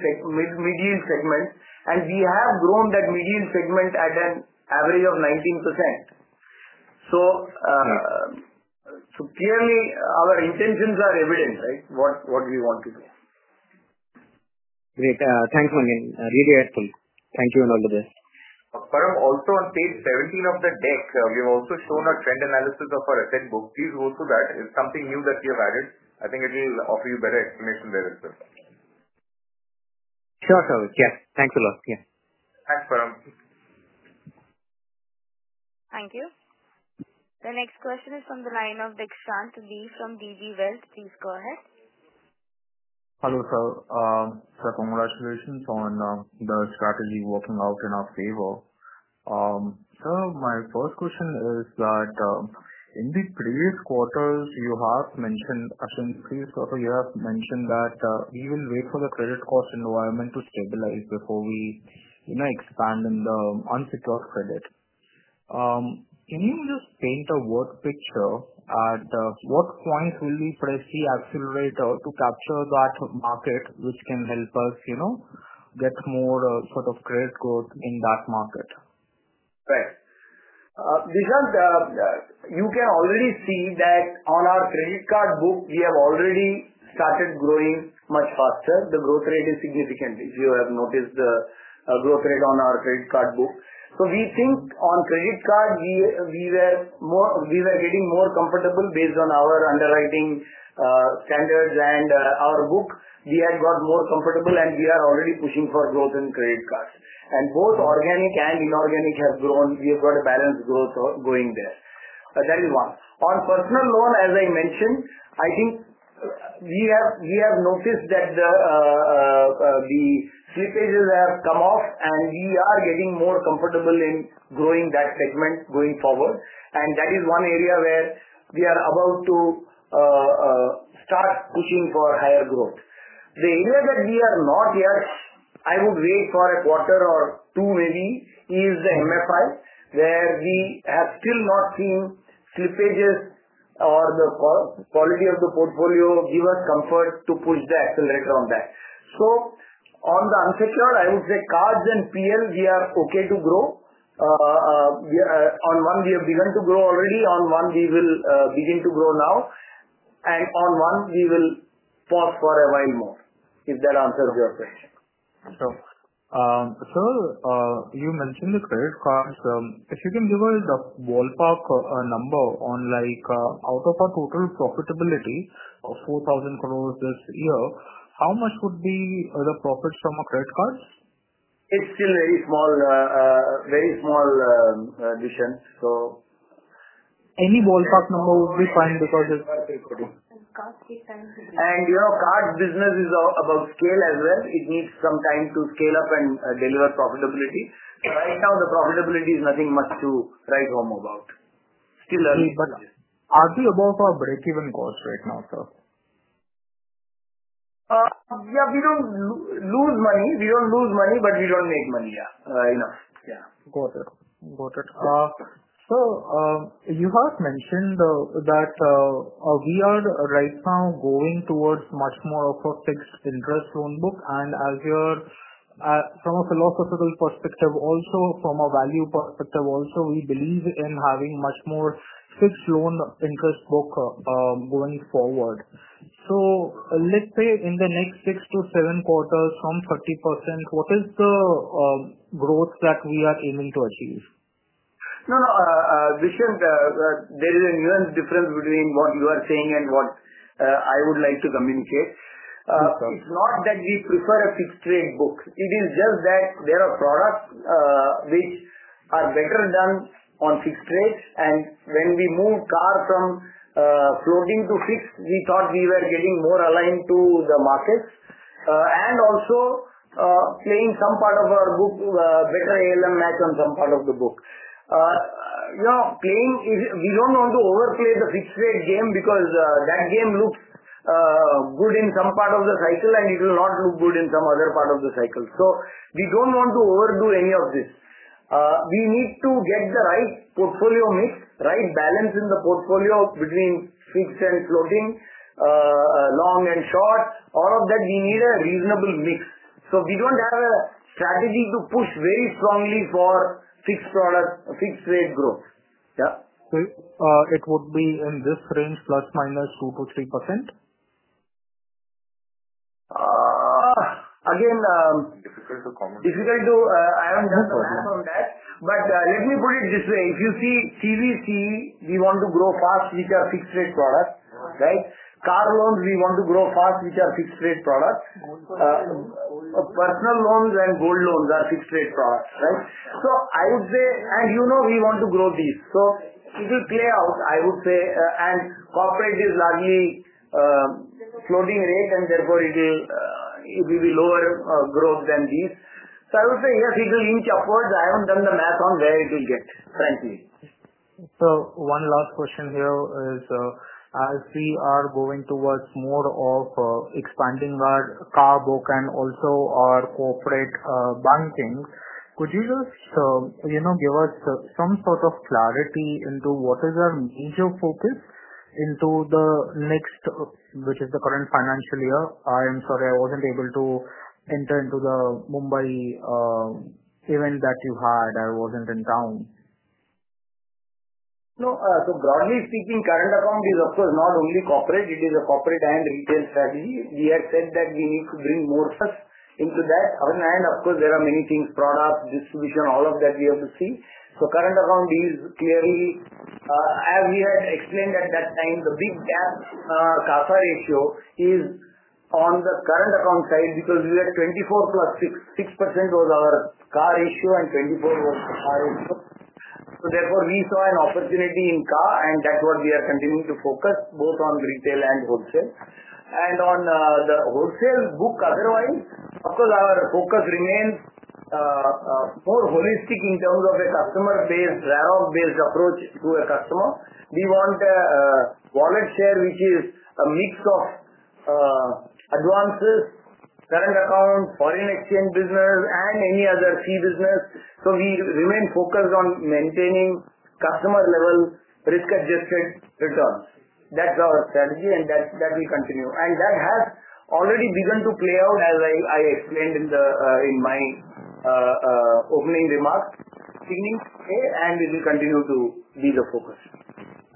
segments, and we have grown that middle-yield segment at an average of 19%. Clearly, our intentions are evident, right, what we want to do. Great. Thanks, Manian. Really helpful. Thank you on all of this. Param, also on page 17 of the deck, we have also shown a trend analysis of our asset book. Please go through that. It's something new that we have added. I think it will offer you a better explanation there as well. Sure, sir. Yes. Thanks a lot. Yeah. Thanks, Param. Thank you. The next question is from the line of Deekshant Boolchandani from DB Wealth. Please go ahead. Hello, sir. Congratulations on the strategy working out in our favor. Sir, my first question is that in the previous quarters, you have mentioned, I think previous quarter, you have mentioned that we will wait for the credit cost environment to stabilize before we expand in the unsecured credit. Can you just paint a word picture at what point will we press the accelerator to capture that market, which can help us get more sort of credit growth in that market? Right. You can already see that on our credit card book, we have already started growing much faster. The growth rate is significant. If you have noticed the growth rate on our credit card book. We think on credit card, we were getting more comfortable based on our underwriting standards and our book. We had got more comfortable, and we are already pushing for growth in credit cards. Both organic and inorganic have grown. We have got a balanced growth going there. That is one. On personal loan, as I mentioned, I think we have noticed that the slippages have come off, and we are getting more comfortable in growing that segment going forward. That is one area where we are about to start pushing for higher growth. The area that we are not yet, I would wait for a quarter or two maybe, is the MFI, where we have still not seen slippages or the quality of the portfolio give us comfort to push the accelerator on that. On the unsecured, I would say cards and PL, we are okay to grow. On one, we have begun to grow already. On one, we will begin to grow now. On one, we will pause for a while more if that answers your question. Sir, you mentioned the credit cards. If you can give us the ballpark number on out of our total profitability of 4,000 crore this year, how much would be the profits from our credit cards? It's still very small addition. Any ballpark number would be fine because it's. Card business is about scale as well. It needs some time to scale up and deliver profitability. Right now, the profitability is nothing much to write home about. Still early stages. Are we above our break-even cost right now, sir? Yeah. We don't lose money. We don't lose money, but we don't make money enough. Yeah. Got it. Got it. Sir, you have mentioned that we are right now going towards much more of a fixed interest loan book. And from a philosophical perspective, also from a value perspective, also we believe in having much more fixed loan interest book going forward. Let's say in the next six to seven quarters from 30%, what is the growth that we are aiming to achieve? No, no. There is a nuanced difference between what you are saying and what I would like to communicate. It's not that we prefer a fixed-rate book. It is just that there are products which are better done on fixed rates. When we moved car from floating to fixed, we thought we were getting more aligned to the markets and also playing some part of our book better ALM match on some part of the book. We do not want to overplay the fixed-rate game because that game looks good in some part of the cycle, and it will not look good in some other part of the cycle. We do not want to overdo any of this. We need to get the right portfolio mix, right balance in the portfolio between fixed and floating, long and short. All of that, we need a reasonable mix. We don't have a strategy to push very strongly for fixed product, fixed-rate growth. Yeah. It would be in this range, plus minus 2%-3%? Again. Difficult to comment. Difficult to, I haven't just come from that. Let me put it this way. If you see, we want to grow fast, which are fixed-rate products, right? Car loans, we want to grow fast, which are fixed-rate products. Personal loans and gold loans are fixed-rate products, right? I would say, and we want to grow these. It will play out, I would say. Corporate is largely floating rate, and therefore it will be lower growth than these. I would say, yes, it will inch upwards. I haven't done the math on where it will get, frankly. One last question here is, as we are going towards more of expanding our car book and also our corporate banking, could you just give us some sort of clarity into what is our major focus into the next, which is the current financial year? I am sorry, I was not able to enter into the Mumbai event that you had. I was not in town. No. Broadly speaking, current account is, of course, not only corporate. It is a corporate and retail strategy. We had said that we need to bring more into that. There are many things, products, distribution, all of that we have to see. Current account is clearly, as we had explained at that time, the big gap. CASA ratio is on the current account side because we were 24 plus 6.6% was our CASA ratio and 24 was the CASA ratio. Therefore, we saw an opportunity in CASA, and that is what we are continuing to focus on, both on retail and wholesale. On the wholesale book, otherwise, our focus remains more holistic in terms of a customer-based, RAROC-based approach to a customer. We want a wallet share, which is a mix of advances, current account, foreign exchange business, and any other fee business. We remain focused on maintaining customer-level risk-adjusted returns. That's our strategy, and that will continue. That has already begun to play out, as I explained in my opening remarks, beginning today, and it will continue to be the focus.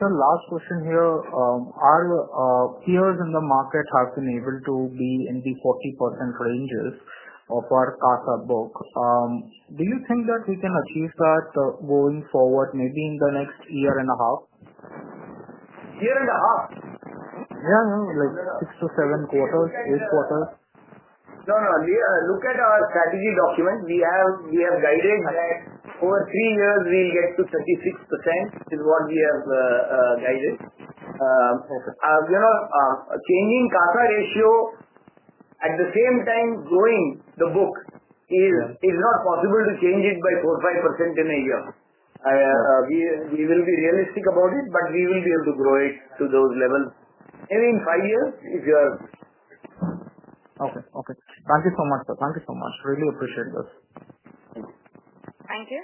Sir, last question here. Our peers in the market have been able to be in the 40% ranges of our CASA book. Do you think that we can achieve that going forward, maybe in the next year and a half? Year and a half? Yeah, yeah. Like six to seven quarters, eight quarters. No, no. Look at our strategy document. We have guided that over three years, we'll get to 36%, is what we have guided. Changing CASA ratio at the same time growing the book is not possible to change it by 4%-5% in a year. We will be realistic about it, but we will be able to grow it to those levels in five years if you are. Okay. Okay. Thank you so much, sir. Thank you so much. Really appreciate this. Thank you.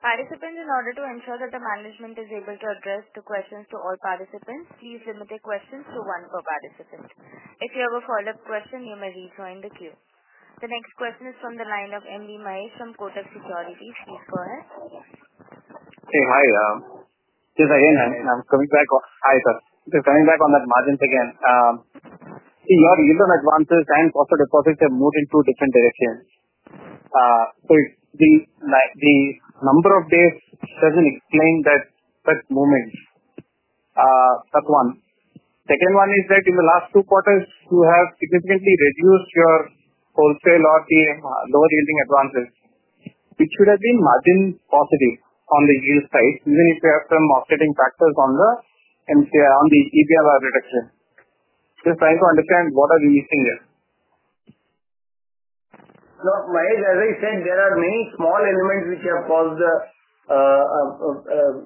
Participants, in order to ensure that the management is able to address the questions to all participants, please limit the questions to one per participant. If you have a follow-up question, you may rejoin the queue. The next question is from the line of M B Mahesh from Kotak Securities. Please go ahead. Hey, hi. Yes, again, I'm coming back. Hi, sir. Just coming back on that margin again. Your yield on advances and cost of deposits have moved in two different directions. So the number of days doesn't explain that movement. That's one. Second one is that in the last two quarters, you have significantly reduced your wholesale or the lower-yielding advances, which should have been margin positive on the yield side, even if you have some offsetting factors on the EBIRR reduction. Just trying to understand what are we missing here. Mahesh, as I said, there are many small elements which have caused the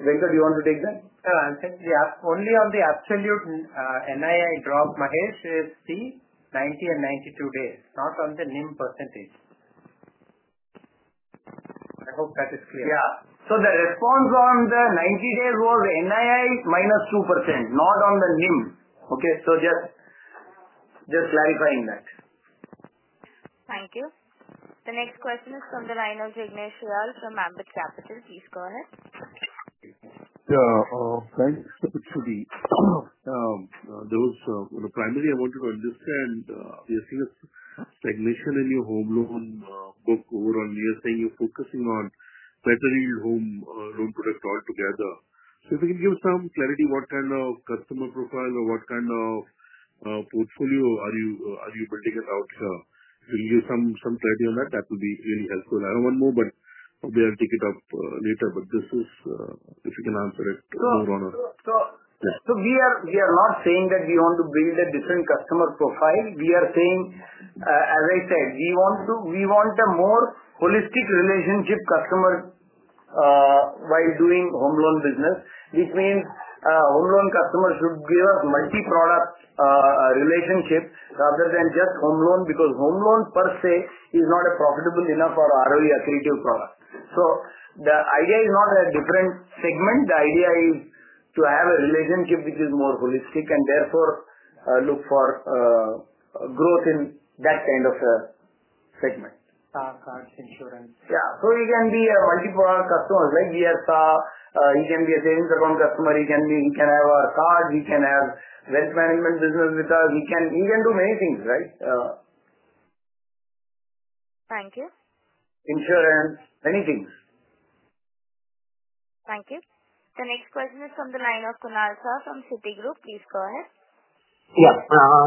Venkat, do you want to take them? Sir, I think only on the absolute NII drop, Mahesh, is C, 90 and 92 days, not on the NIM percentage. I hope that is clear. Yeah. The response on the 90 days was NII minus 2%, not on the NIM. Okay? Just clarifying that. Thank you. The next question is from the line of Jignesh Shial from Ambit Capital. Please go ahead. Yeah. Thanks, Shruti. The primary I wanted to understand, you're seeing a stagnation in your home loan book overall, and you're saying you're focusing on better-yield home loan product altogether. If you can give some clarity what kind of customer profile or what kind of portfolio are you building about here, if you can give some clarity on that, that will be really helpful. I do not want more, we will take it up later. This is if you can answer it more on a. We are not saying that we want to build a different customer profile. We are saying, as I said, we want a more holistic relationship customer while doing home loan business, which means home loan customers should give us multi-product relationship rather than just home loan because home loan per se is not a profitable enough or ROE accretive product. The idea is not a different segment. The idea is to have a relationship which is more holistic and therefore look for growth in that kind of segment. Card insurance? Yeah. It can be a multi-product customer like we have saw. He can be a savings account customer. He can have our card. He can have wealth management business with us. He can do many things, right? Thank you. Insurance. Many things. Thank you. The next question is from the line of Kunal Shah from Citigroup. Please go ahead. Yeah.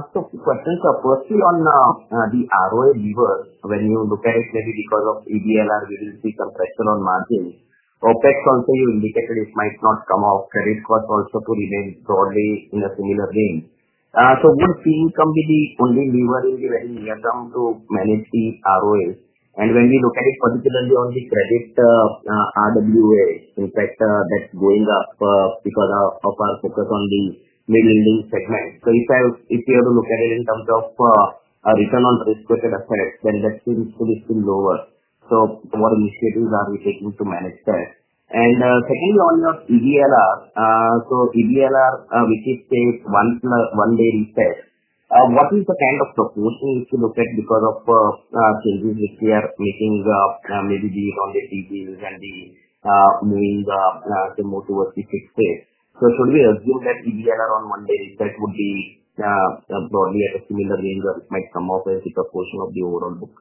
Questions are mostly on the ROE lever. When you look at it, maybe because of EBIRR, we will see some pressure on margins. OpEx, also, you indicated it might not come off. Credit cost also could remain broadly in a similar range. Would fee become the only lever in the very near term to manage the ROE? When we look at it particularly on the credit RWA, in fact, that's going up because of our focus on the middle-yielding segment. If you have to look at it in terms of return on risk within a set of credit, then that seems to be still lower. What initiatives are we taking to manage that? Secondly, on your EBIRR, so EBIRR, which is, say, one-day reset, what is the kind of proportion if you look at because of changes which we are making, maybe the rounded DBs and the moving to more towards the fixed rate? Should we assume that EBIRR on one-day reset would be broadly at a similar range or it might come off as a proportion of the overall book?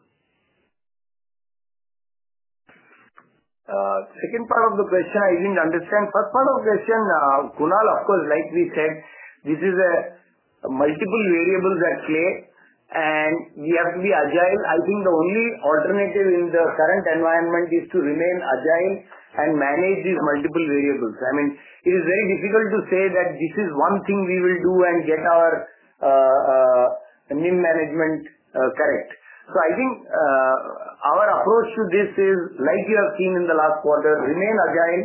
Second part of the question, I didn't understand. First part of the question, Kunal, of course, like we said, this is multiple variables at play, and we have to be agile. I think the only alternative in the current environment is to remain agile and manage these multiple variables. I mean, it is very difficult to say that this is one thing we will do and get our NIM management correct. I think our approach to this is, like you have seen in the last quarter, remain agile,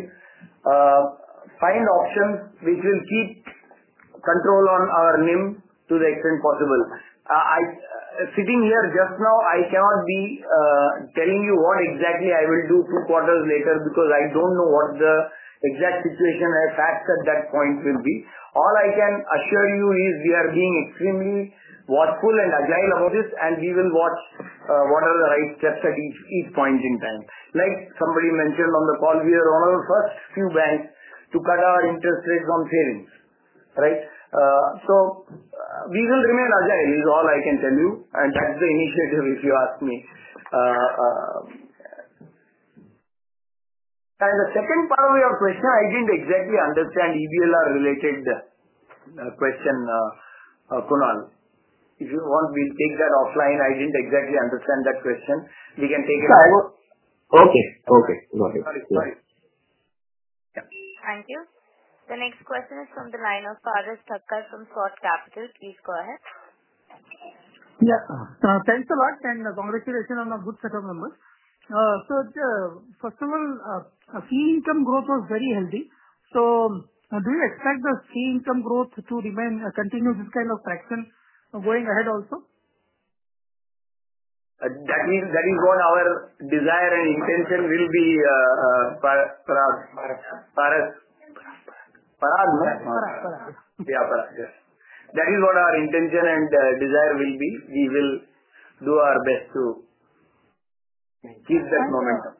find options which will keep control on our NIM to the extent possible. Sitting here just now, I cannot be telling you what exactly I will do two quarters later because I don't know what the exact situation and facts at that point will be. All I can assure you is we are being extremely watchful and agile about this, and we will watch what are the right steps at each point in time. Like somebody mentioned on the call, we are one of the first few banks to cut our interest rates on savings, right? We will remain agile is all I can tell you. That is the initiative if you ask me. The second part of your question, I did not exactly understand the EBIRR-related question, Kunal. If you want, we will take that offline. I did not exactly understand that question. We can take it. Okay. Okay. Go ahead. Sorry. Sorry. Thank you. The next question is from the line of Parag Thakkar from SWAT Capital. Please go ahead. Yeah. Thanks a lot, and congratulations on a good set of numbers. First of all, fee income growth was very healthy. Do you expect the fee income growth to continue this kind of traction going ahead also? That is what our desire and intention will be, Parag. Parag. Parag, no? Parag. Parag. Yeah, Parag. Yes. That is what our intention and desire will be. We will do our best to keep that momentum.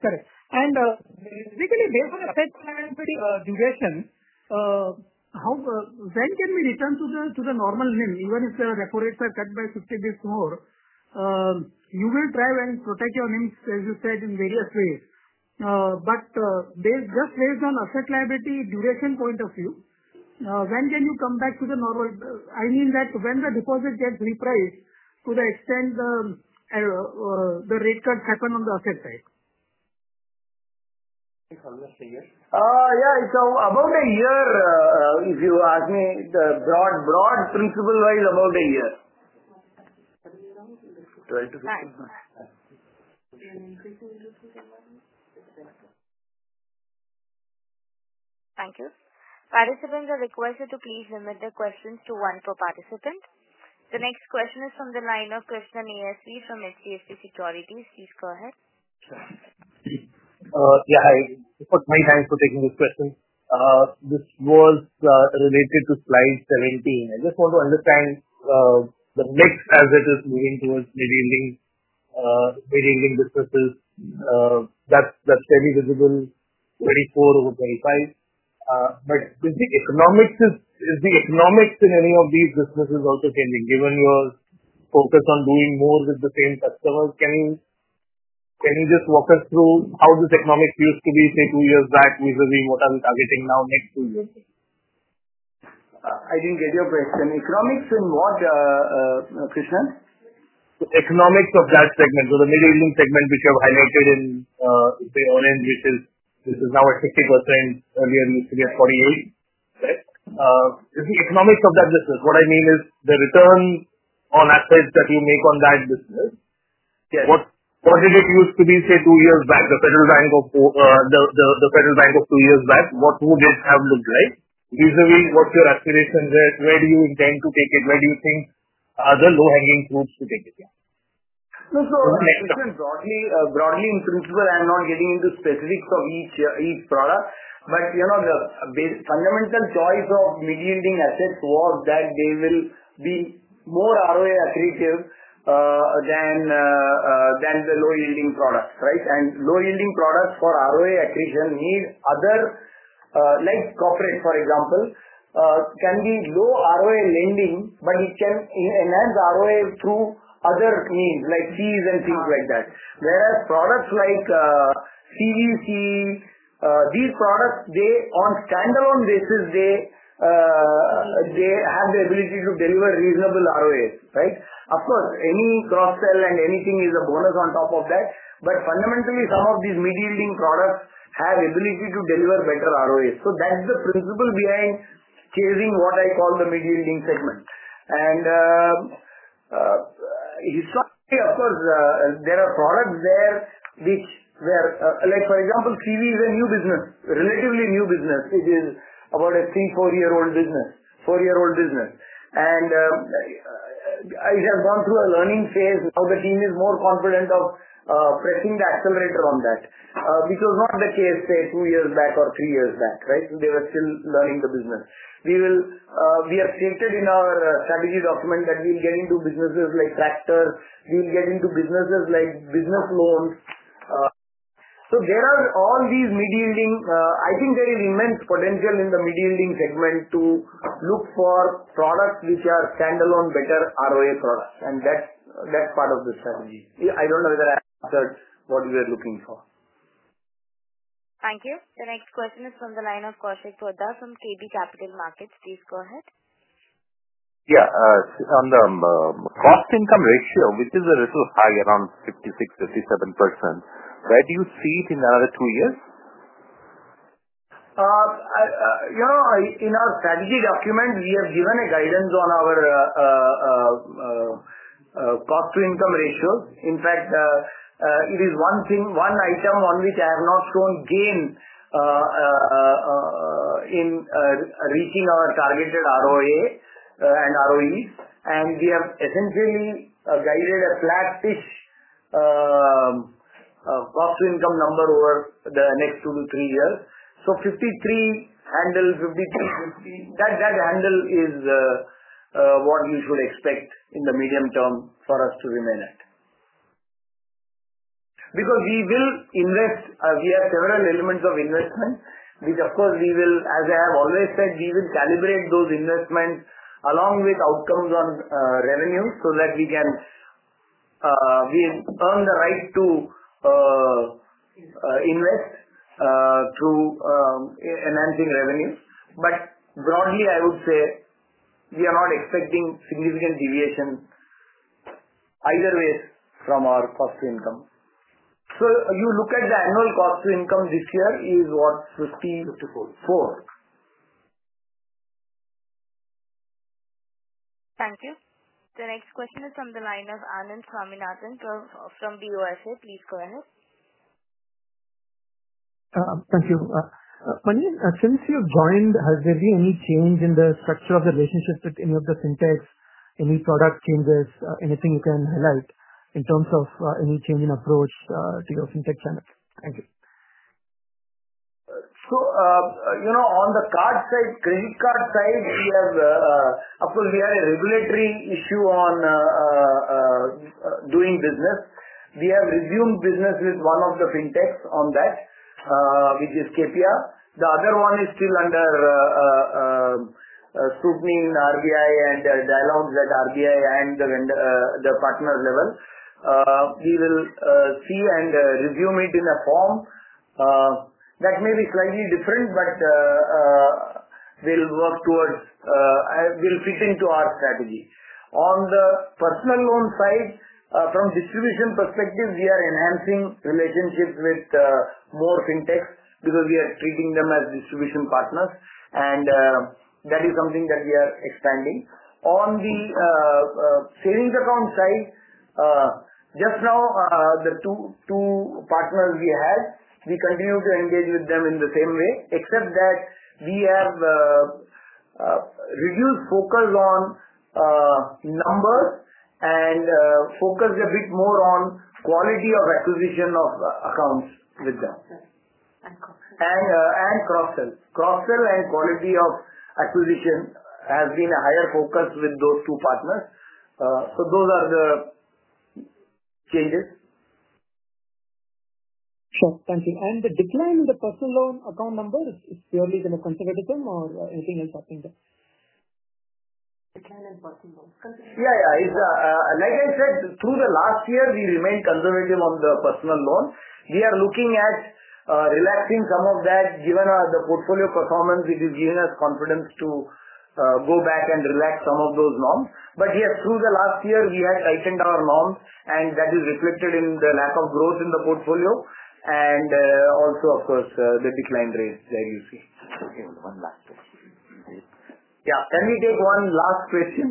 Correct. Basically, based on asset liability duration, when can we return to the normal NIM, even if the rates are cut by 50 basis points more? You will try and protect your NIMs, as you said, in various ways. Just based on asset liability duration point of view, when can you come back to the normal? I mean, when the deposit gets repriced to the extent the rate cuts happen on the asset side? Yeah. About a year, if you ask me, broad principle-wise, about a year. Thank you. Participants are requested to please limit the questions to one per participant. The next question is from the line of Krishnan ASV from HDFC Securities. Please go ahead. Yeah. I put my hands to taking this question. This was related to slide 17. I just want to understand the mix as it is moving towards middle-yielding businesses. That's fairly visible 24 over 25. Is the economics in any of these businesses also changing? Given your focus on doing more with the same customers, can you just walk us through how this economics used to be, say, two years back vis-à-vis what are we targeting now next two years? I didn't get your question. Economics in what, Krishnan? The economics of that segment, so the middle-yielding segment, which you have highlighted in the orange, which is now at 50%, earlier it used to be at 48%, right? The economics of that business, what I mean is the return on assets that you make on that business. What did it used to be, say, two years back, the Federal Bank of two years back? What would it have looked like? Vis-à-vis, what's your aspiration there? Where do you intend to take it? Where do you think other low-hanging fruits to take it? The question broadly, broadly in principle, I'm not getting into specifics of each product. The fundamental choice of middle-yielding assets was that they will be more ROE accretive than the low-yielding products, right? Low-yielding products for ROE accretion need other, like corporate, for example, can be low ROE lending, but it can enhance ROE through other means like fees and things like that. Whereas products like CVC, these products, on standalone basis, they have the ability to deliver reasonable ROEs, right? Of course, any cross-sell and anything is a bonus on top of that. Fundamentally, some of these middle-yielding products have the ability to deliver better ROEs. That's the principle behind chasing what I call the middle-yielding segment. Historically, of course, there are products there which were, for example, CV is a new business, relatively new business, which is about a three- to four-year-old business, four-year-old business. It has gone through a learning phase. Now the team is more confident of pressing the accelerator on that, which was not the case, say, two years back or three years back, right? They were still learning the business. We have stated in our strategy document that we'll get into businesses like tractors. We'll get into businesses like business loans. There are all these middle-yielding. I think there is immense potential in the middle-yielding segment to look for products which are standalone, better ROE products. That's part of the strategy. I don't know whether I answered what we were looking for. Thank you. The next question is from the line of Kaushik Poddar from KB Capital Markets. Please go ahead. Yeah. On the cost income ratio, which is a little high, around 56%-57%, where do you see it in another two years? In our strategy document, we have given a guidance on our cost to income ratio. In fact, it is one item on which I have not shown gain in reaching our targeted ROE and ROEs. We have essentially guided a flat-ish cost to income number over the next two to three years. 53 handle, 53, 50. That handle is what you should expect in the medium term for us to remain at. Because we will invest. We have several elements of investment, which, of course, we will, as I have always said, calibrate those investments along with outcomes on revenue so that we can earn the right to invest through enhancing revenues. Broadly, I would say we are not expecting significant deviation either way from our cost to income. You look at the annual cost to income this year is what? 50? 54. 54. Thank you. The next question is from the line of Anand Swaminathan from Bank of America. Please go ahead. Thank you. Since you've joined, has there been any change in the structure of the relationship with any of the fintechs, any product changes, anything you can highlight in terms of any change in approach to your fintech channel? Thank you. On the card side, credit card side, of course, we had a regulatory issue on doing business. We have resumed business with one of the fintechs on that, which is KPR. The other one is still under scrutiny in RBI and dialogues at RBI and the partner level. We will see and resume it in a form that may be slightly different, but we will work towards it will fit into our strategy. On the personal loan side, from distribution perspective, we are enhancing relationships with more fintechs because we are treating them as distribution partners. That is something that we are expanding. On the savings account side, just now, the two partners we had, we continue to engage with them in the same way, except that we have reduced focus on numbers and focused a bit more on quality of acquisition of accounts with them. And cross-sell. Cross-sell and quality of acquisition has been a higher focus with those two partners. Those are the changes. Sure. Thank you. The decline in the personal loan account numbers is purely conservatism or anything else happening there? Decline in personal loans. Yeah, yeah. Like I said, through the last year, we remained conservative on the personal loans. We are looking at relaxing some of that given the portfolio performance, which is giving us confidence to go back and relax some of those norms. Yes, through the last year, we had tightened our norms, and that is reflected in the lack of growth in the portfolio. Also, of course, the decline rate there you see. One last question. Yeah. Can we take one last question?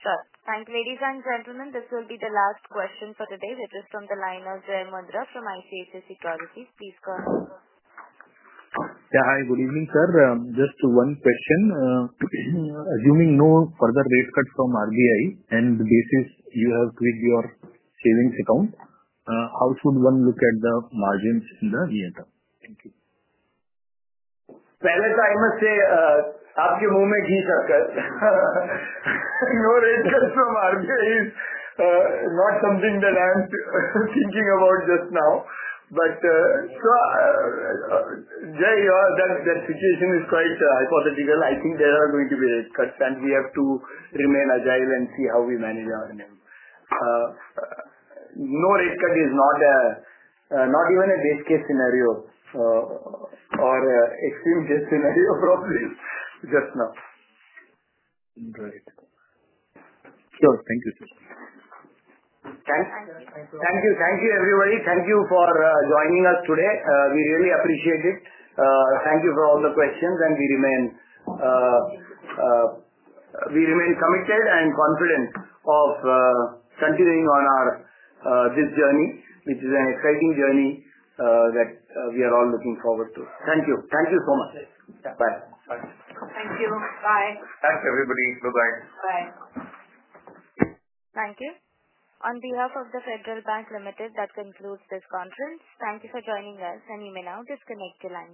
Sure. Thank you. Ladies and gentlemen, this will be the last question for today, which is from the line of Jai Mundhra from Icici Securities. Please go ahead. Yeah. Hi. Good evening, sir. Just one question. Assuming no further rate cuts from RBI and the basis you have with your savings account, how should one look at the margins in the near term? Thank you. Parag, I must say, I'm up your movement, Thakkar. No rate cuts from RBI is not something that I'm thinking about just now. Jai, that situation is quite hypothetical. I think there are going to be rate cuts, and we have to remain agile and see how we manage our NIM. No rate cut is not even a best-case scenario or extreme-case scenario probably just now. Right. Sure. Thank you. Thank you. Thank you, everybody. Thank you for joining us today. We really appreciate it. Thank you for all the questions, and we remain committed and confident of continuing on this journey, which is an exciting journey that we are all looking forward to. Thank you. Thank you so much. Bye. Thank you. Bye. Thanks, everybody. Goodbye. Bye. Thank you. On behalf of Federal Bank Ltd., that concludes this conference. Thank you for joining us, and you may now disconnect the line.